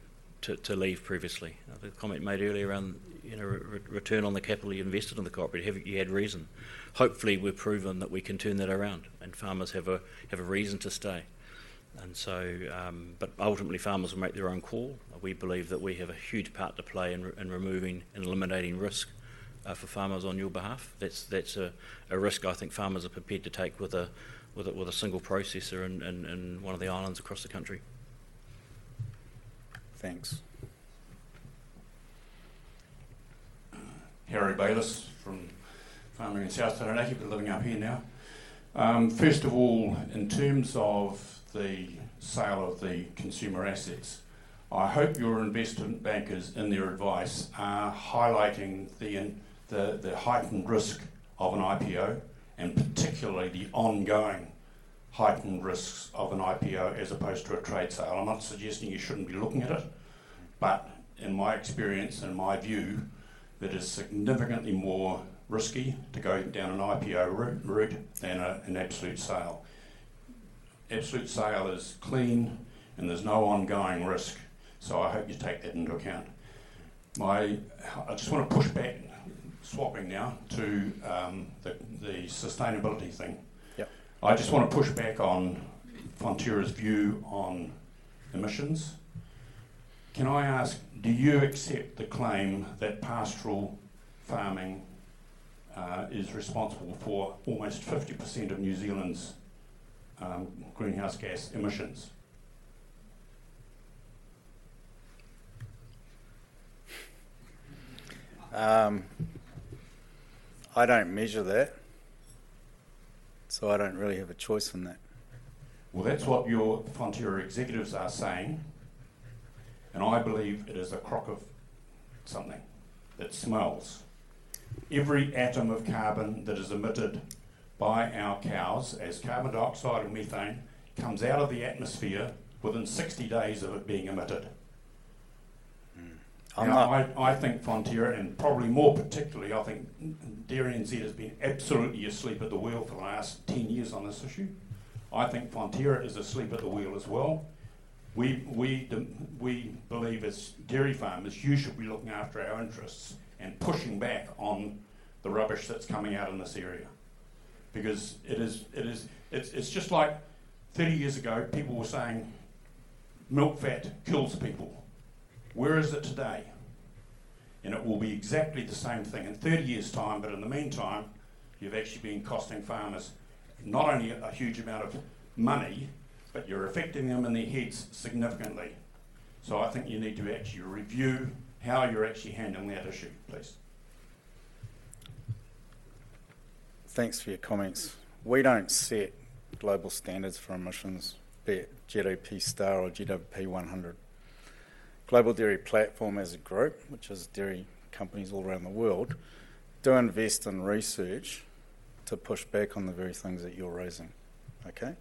to leave previously. The comment made earlier around return on the capital you invested in the cooperative, you had reason. Hopefully, we've proven that we can turn that around and farmers have a reason to stay, but ultimately, farmers will make their own call. We believe that we have a huge part to play in removing and eliminating risk for farmers on your behalf. That's a risk I think farmers are prepared to take with a single processor in one of the islands across the country. Thanks. Harry Bayliss from Farming in South Taranaki. I hope you've been living up here now. First of all, in terms of the sale of the consumer assets, I hope your investment bankers in their advice are highlighting the heightened risk of an IPO and particularly the ongoing heightened risks of an IPO as opposed to a trade sale. I'm not suggesting you shouldn't be looking at it. But in my experience and my view, it is significantly more risky to go down an IPO route than an absolute sale. Absolute sale is clean and there's no ongoing risk. So I hope you take that into account. I just want to push back swapping now to the sustainability thing. I just want to push back on Fonterra's view on emissions. Can I ask, do you accept the claim that pastoral farming is responsible for almost 50% of New Zealand's greenhouse gas emissions? I don't measure that. So I don't really have a choice on that. Well, that's what your Fonterra executives are saying. And I believe it is a crock of something that smells. Every atom of carbon that is emitted by our cows as carbon dioxide and methane comes out of the atmosphere within 60 days of it being emitted. I think Fonterra, and probably more particularly, I think DairyNZ has been absolutely asleep at the wheel for the last 10 years on this issue. I think Fonterra is asleep at the wheel as well. We believe as dairy farmers, you should be looking after our interests and pushing back on the rubbish that's coming out in this area because it's just like 30 years ago, people were saying, "Milk fat kills people." Where is it today? And it will be exactly the same thing in 30 years' time. But in the meantime, you've actually been costing farmers not only a huge amount of money, but you're affecting them in their heads significantly. So I think you need to actually review how you're actually handling that issue, please. Thanks for your comments. We don't set global standards for emissions, be it GWP* or GWP100. Global Dairy Platform as a group, which has dairy companies all around the world, do invest in research to push back on the very things that you're raising. Okay?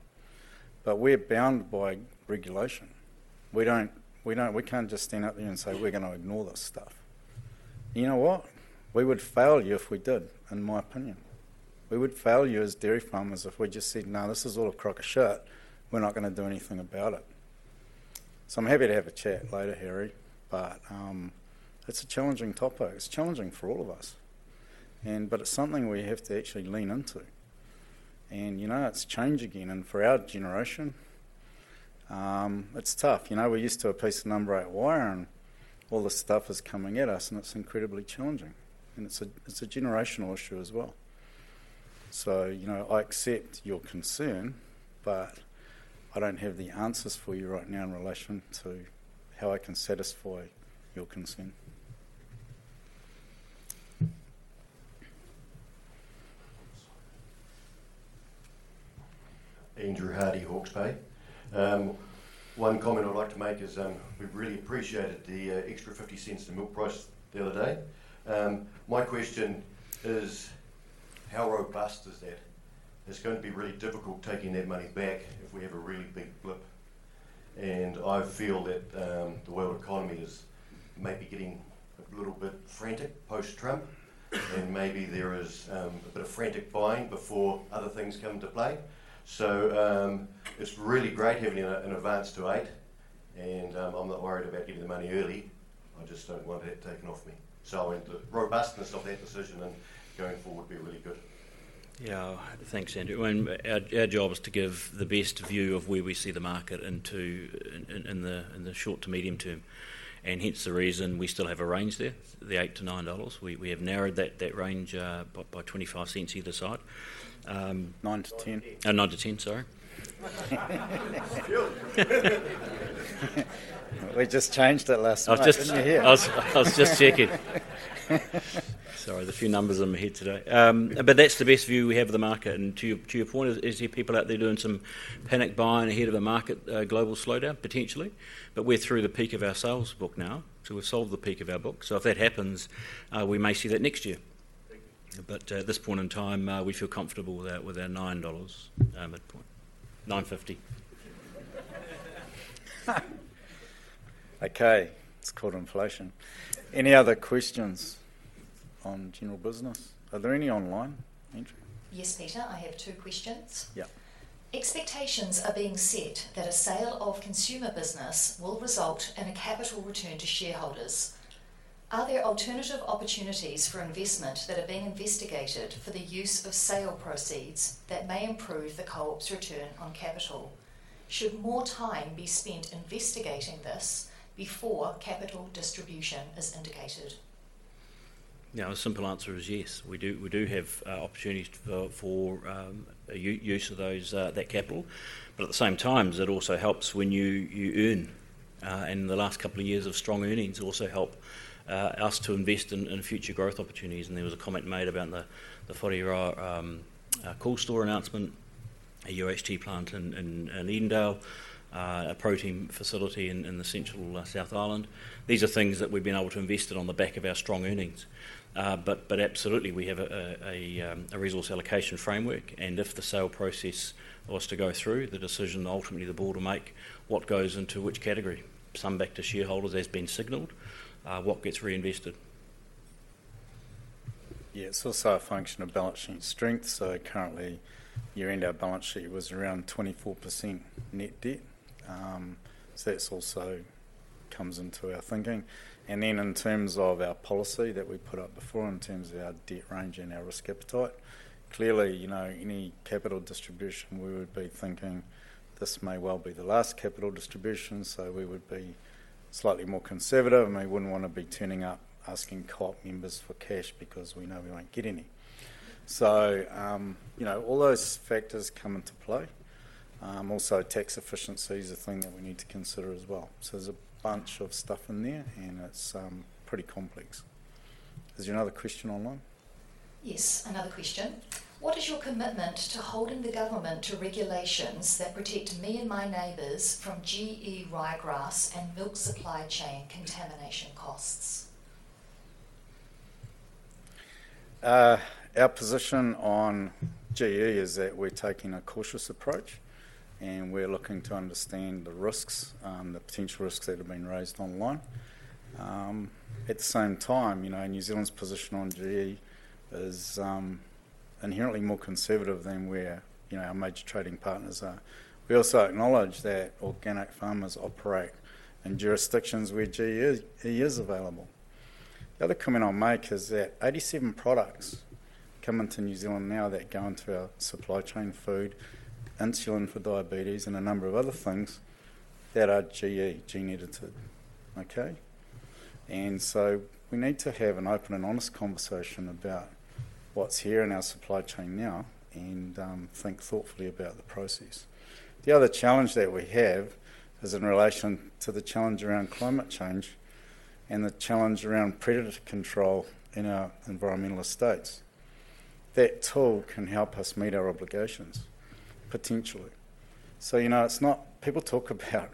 But we're bound by regulation. We can't just stand up there and say, "We're going to ignore this stuff." You know what? We would fail you if we did, in my opinion. We would fail you as dairy farmers if we just said, "No, this is all a crock of shit. We're not going to do anything about it." So I'm happy to have a chat later, Harry. But it's a challenging topic. It's challenging for all of us. But it's something we have to actually lean into. And it's change again. And for our generation, it's tough. We're used to a piece of number eight wire and all this stuff is coming at us. And it's incredibly challenging. And it's a generational issue as well. So I accept your concern, but I don't have the answers for you right now in relation to how I can satisfy your concern. Andrew Hardy, Hawke's Bay. One comment I'd like to make is we've really appreciated the extra 0.50 to milk price the other day. My question is, how robust is that? It's going to be really difficult taking that money back if we have a really big blip. And I feel that the world economy is maybe getting a little bit frantic post-Trump. And maybe there is a bit of frantic buying before other things come into play. So it's really great having an advance to 8. And I'm not worried about getting the money early. I just don't want that taken off me. So I want the robustness of that decision and going forward be really good. Yeah. Thanks, Andrew. Our job is to give the best view of where we see the market in the short to medium term. And hence the reason we still have a range there, the 8-9 dollars. We have narrowed that range by 0.25 either side. 9-10. 9-10, sorry. We just changed that last time. I was just checking. Sorry, there's a few numbers in my head today. But that's the best view we have of the market. And to your point, I see people out there doing some panic buying ahead of the market global slowdown, potentially. But we're through the peak of our sales book now. So we've sold the peak of our book. So if that happens, we may see that next year. But at this point in time, we feel comfortable with our 9 dollars midpoint. 9.50. Okay. It's called inflation. Any other questions on general business? Are there any online? Andrew? Yes, Peter. I have two questions. Expectations are being set that a sale of consumer business will result in a capital return to shareholders. Are there alternative opportunities for investment that are being investigated for the use of sale proceeds that may improve the co-op's return on capital? Should more time be spent investigating this before capital distribution is indicated? Now, the simple answer is yes. We do have opportunities for use of that capital, but at the same time, it also helps when you earn. And the last couple of years of strong earnings also help us to invest in future growth opportunities. And there was a comment made about the Fonterra Cool Store announcement, a UHT plant in Edendale, a protein facility in the central South Island. These are things that we've been able to invest in on the back of our strong earnings. But absolutely, we have a resource allocation framework. If the sale process was to go through, the decision ultimately the board will make what goes into which category. Some back to shareholders has been signalled. What gets reinvested? Yeah. It's also a function of balance sheet strength. So currently, year-end, our balance sheet was around 24% net debt. So that also comes into our thinking. And then in terms of our policy that we put up before, in terms of our debt range and our risk appetite, clearly, any capital distribution, we would be thinking this may well be the last capital distribution. So we would be slightly more conservative. And we wouldn't want to be turning up asking co-op members for cash because we know we won't get any. So all those factors come into play. Also, tax efficiency is a thing that we need to consider as well. There's a bunch of stuff in there. It's pretty complex. Is there another question online? Yes. Another question. What is your commitment to holding the government to regulations that protect me and my neighbors from GE ryegrass and milk supply chain contamination costs? Our position on GE is that we're taking a cautious approach. We're looking to understand the potential risks that have been raised online. At the same time, New Zealand's position on GE is inherently more conservative than our major trading partners are. We also acknowledge that organic farmers operate in jurisdictions where GE is available. The other comment I'll make is that 87 products come into New Zealand now that go into our supply chain: food, insulin for diabetes, and a number of other things that are GE, Gene Edited. Okay? And so we need to have an open and honest conversation about what's here in our supply chain now and think thoughtfully about the process. The other challenge that we have is in relation to the challenge around climate change and the challenge around predator control in our environmental estates. That tool can help us meet our obligations, potentially. So people talk about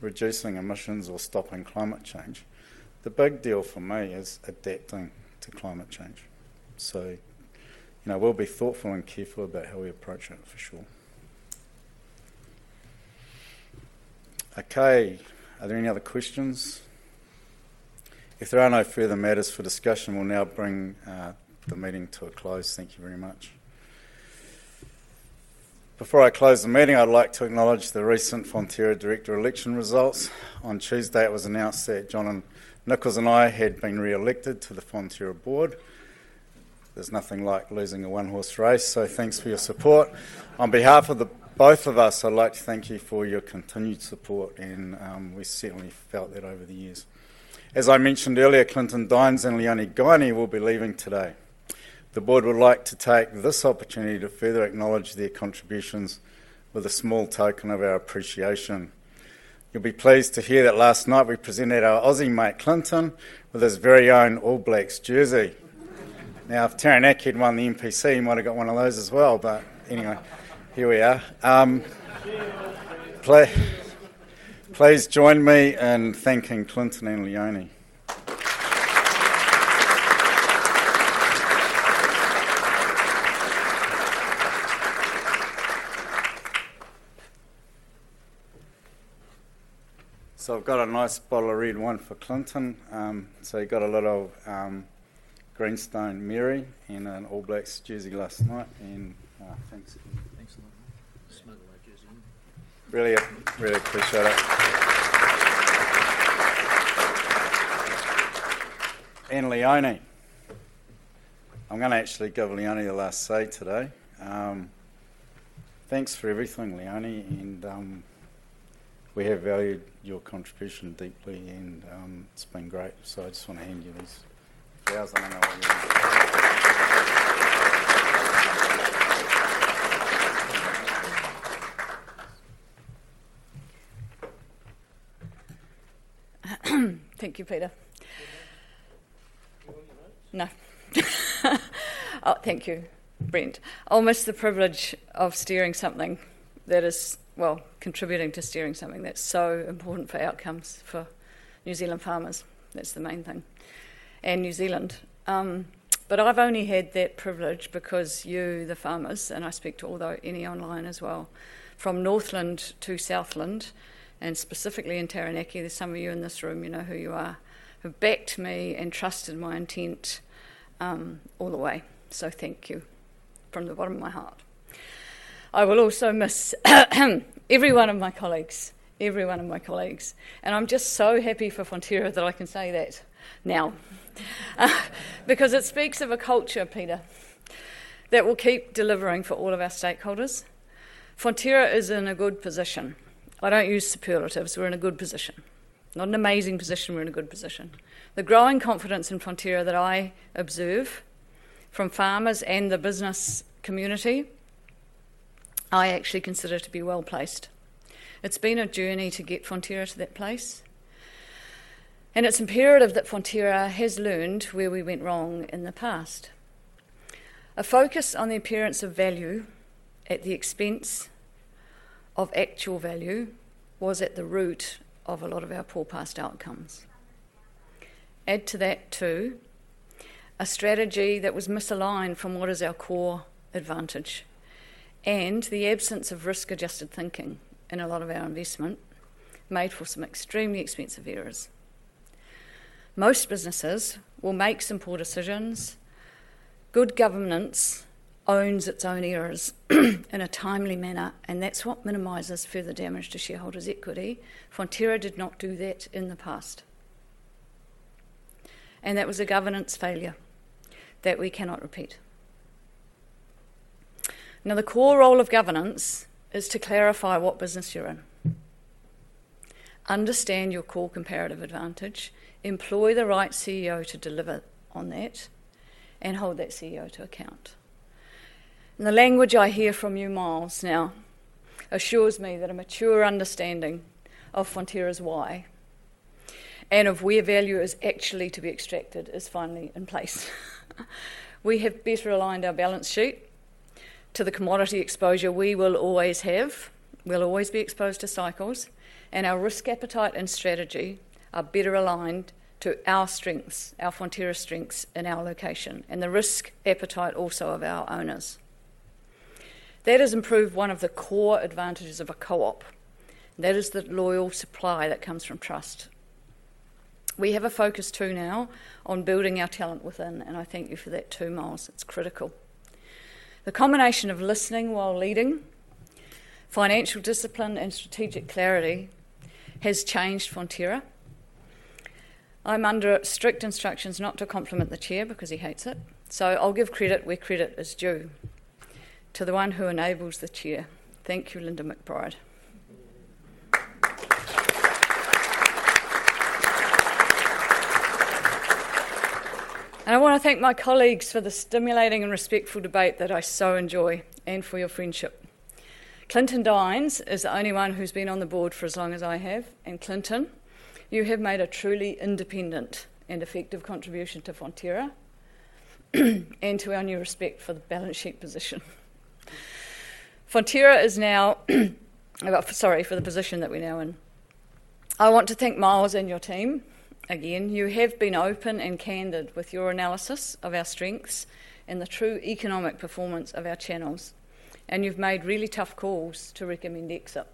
reducing emissions or stopping climate change. The big deal for me is adapting to climate change. So we'll be thoughtful and careful about how we approach it, for sure. Okay. Are there any other questions? If there are no further matters for discussion, we'll now bring the meeting to a close. Thank you very much. Before I close the meeting, I'd like to acknowledge the recent Fonterra director election results. On Tuesday, it was announced that John Nicholls and I had been re-elected to the Fonterra board. There's nothing like losing a one-horse race. So thanks for your support. On behalf of both of us, I'd like to thank you for your continued support. And we certainly felt that over the years. As I mentioned earlier, Clinton Dines and Leonie Guiney will be leaving today. The board would like to take this opportunity to further acknowledge their contributions with a small token of our appreciation. You'll be pleased to hear that last night we presented our Aussie mate, Clinton, with his very own All Black jersey. Now, if Taranaki had won the NPC, he might have got one of those as well. But anyway, here we are. Please join me in thanking Clinton and Leonie. So I've got a nice bottle of red wine for Clinton. He got a lot of Greenstone Mere in an All Black jersey last night. Thanks a lot. I really appreciate it. Leonie, I'm going to actually give Leonie the last say today. Thanks for everything, Leonie. We have valued your contribution deeply. It's been great. I just want to hand you these flowers on our behalf. Thank you, Peter. No. Oh, thank you, Brent. It was the privilege of steering something that is, well, contributing to steering something that's so important for outcomes for New Zealand farmers. That's the main thing. New Zealand. I've only had that privilege because you, the farmers, and I speak to any online as well, from Northland to Southland, and specifically in Taranaki, there's some of you in this room, you know who you are, who backed me and trusted my intent all the way. Thank you from the bottom of my heart. I will also miss every one of my colleagues, every one of my colleagues. And I'm just so happy for Fonterra that I can say that now because it speaks of a culture, Peter, that will keep delivering for all of our stakeholders. Fonterra is in a good position. I don't use superlatives. We're in a good position. Not an amazing position. We're in a good position. The growing confidence in Fonterra that I observe from farmers and the business community, I actually consider to be well placed. It's been a journey to get Fonterra to that place. And it's imperative that Fonterra has learned where we went wrong in the past. A focus on the appearance of value at the expense of actual value was at the root of a lot of our poor past outcomes. Add to that, too, a strategy that was misaligned from what is our core advantage. And the absence of risk-adjusted thinking in a lot of our investment made for some extremely expensive errors. Most businesses will make some poor decisions. Good governance owns its own errors in a timely manner. And that's what minimizes further damage to shareholders' equity. Fonterra did not do that in the past. And that was a governance failure that we cannot repeat. Now, the core role of governance is to clarify what business you're in, understand your core comparative advantage, employ the right CEO to deliver on that, and hold that CEO to account. And the language I hear from you Miles now assures me that a mature understanding of Fonterra's why and of where value is actually to be extracted is finally in place. We have better aligned our balance sheet to the commodity exposure we will always have. We'll always be exposed to cycles, and our risk appetite and strategy are better aligned to our strengths, our Fonterra strengths in our location, and the risk appetite also of our owners. That has improved one of the core advantages of a co-op. That is the loyal supply that comes from trust. We have a focus, too, now on building our talent within, and I thank you for that, too, Miles. It's critical. The combination of listening while leading, financial discipline, and strategic clarity has changed Fonterra. I'm under strict instructions not to compliment the chair because he hates it. So I'll give credit where credit is due to the one who enables the chair. Thank you, Linda McBride. I want to thank my colleagues for the stimulating and respectful debate that I so enjoy and for your friendship. Clinton Dines is the only one who's been on the board for as long as I have. Clinton, you have made a truly independent and effective contribution to Fonterra and to our new respect for the balance sheet position. Fonterra is now, sorry, for the position that we're now in. I want to thank Miles and your team. Again, you have been open and candid with your analysis of our strengths and the true economic performance of our channels. You've made really tough calls to recommend exit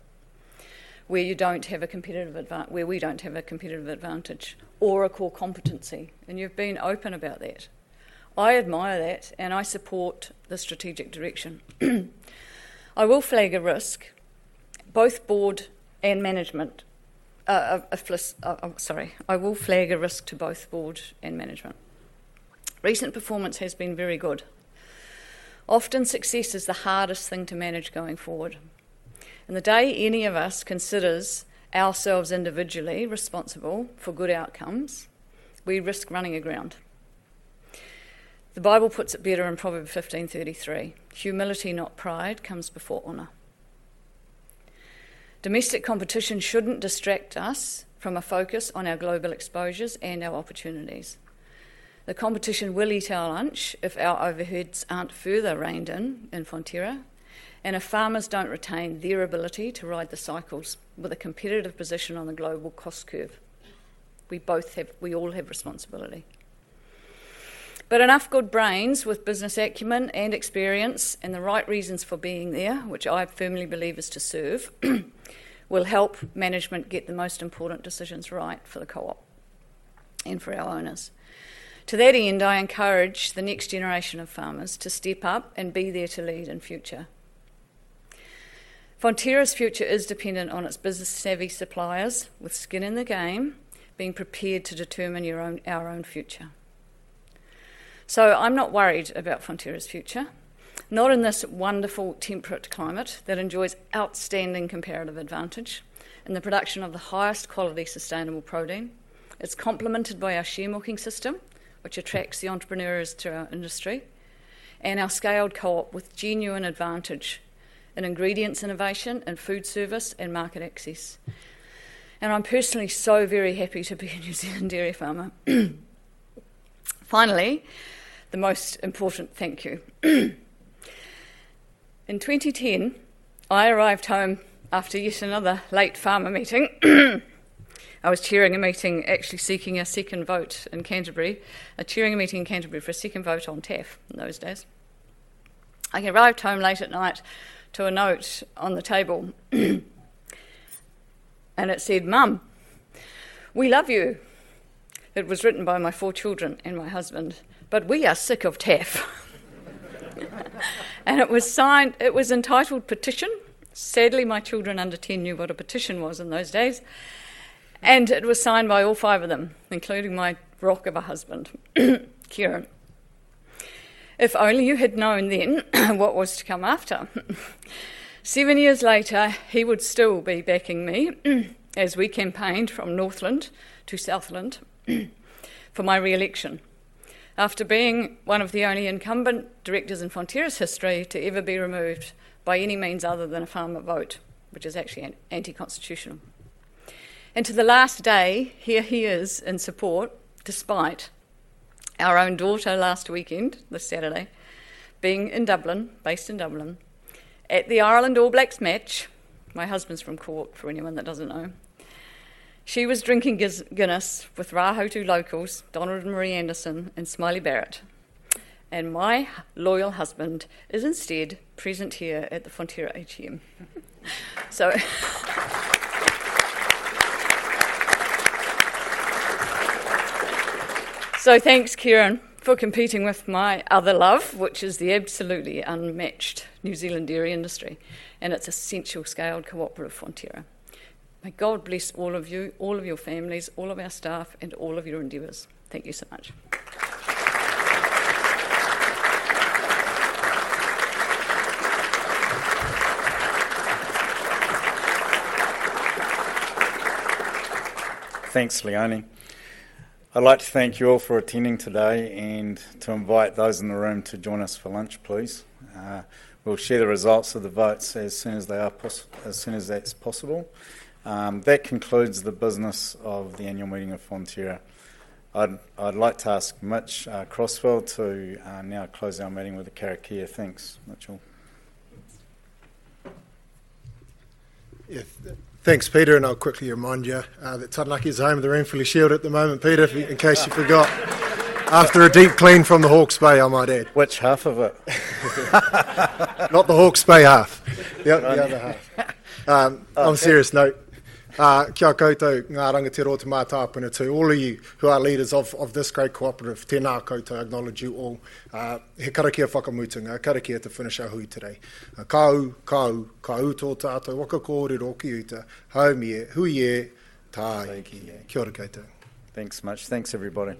where you don't have a competitive advantage or a core competency. You've been open about that. I admire that. I support the strategic direction. I will flag a risk. Both board and management, sorry. I will flag a risk to both board and management. Recent performance has been very good. Often, success is the hardest thing to manage going forward. And the day any of us considers ourselves individually responsible for good outcomes, we risk running aground. The Bible puts it better in Proverbs 15:33, "Humility, not pride, comes before honor." Domestic competition shouldn't distract us from a focus on our global exposures and our opportunities. The competition will eat our lunch if our overheads aren't further reined in in Fonterra. And if farmers don't retain their ability to ride the cycles with a competitive position on the global cost curve, we all have responsibility. But enough good brains with business acumen and experience and the right reasons for being there, which I firmly believe is to serve, will help management get the most important decisions right for the co-op and for our owners. To that end, I encourage the next generation of farmers to step up and be there to lead in future. Fonterra's future is dependent on its business-savvy suppliers with skin in the game being prepared to determine our own future. So I'm not worried about Fonterra's future, not in this wonderful temperate climate that enjoys outstanding comparative advantage in the production of the highest quality sustainable protein. It's complemented by our share-milking system, which attracts the entrepreneurs to our industry, and our scaled co-op with genuine advantage in ingredients innovation and Foodservice and market access. And I'm personally so very happy to be a New Zealand dairy farmer. Finally, the most important thank you. In 2010, I arrived home after yet another late farmer meeting. I was chairing a meeting, actually seeking a second vote in Canterbury, chairing a meeting in Canterbury for a second vote on TAF in those days. I arrived home late at night to a note on the table, and it said, "Mum, we love you." It was written by my four children and my husband, but we are sick of TAF, and it was entitled "Petition." Sadly, my children under 10 knew what a petition was in those days, and it was signed by all five of them, including my rock of a husband, Kieran. If only you had known then what was to come after. Seven years later, he would still be backing me as we campaigned from Northland to Southland for my re-election after being one of the only incumbent directors in Fonterra's history to ever be removed by any means other than a farmer vote, which is actually anti-constitutional, and to the last day, here he is in support, despite our own daughter last weekend, this Saturday, being in Dublin, based in Dublin, at the Ireland All Blacks match. My husband's from Cork, for anyone that doesn't know. She was drinking Guinness with our Rahotu locals, Donald and Marie Anderson and Smiley Barrett. And my loyal husband is instead present here at the Fonterra AGM, so thanks, Kieran, for competing with my other love, which is the absolutely unmatched New Zealand dairy industry, and it's essential scaled co-op with Fonterra. May God bless all of you, all of your families, all of our staff, and all of your endeavors. Thank you so much. Thanks, Leonie. I'd like to thank you all for attending today and to invite those in the room to join us for lunch, please. We'll share the results of the votes as soon as they are possible, as soon as that's possible. That concludes the business of the annual meeting of Fonterra. I'd like to ask Mitch Crossfield to now close our meeting with a karakia. Thanks, Mitch. Thanks, Peter. And I'll quickly remind you that Taranaki is home in the room fully shielded at the moment, Peter, in case you forgot. After a deep clean from the Hawke's Bay, I might add. Which half of it? Not the Hawke's Bay half. The other half. On a serious note, kia koutou, ngā oranga o te motu, hapori, to all of you who are leaders of this great cooperative, tēnā koutou, I acknowledge you all. He karakia whakamutunga, karakia to finish our hui today. Ka au, ka au, ka tau, tātou, whakakōrerorika uta, Haumi e, Hui e, Tāiki e. Thank you, yeah. Kia ora koutou. Thanks so much. Thanks, everybody.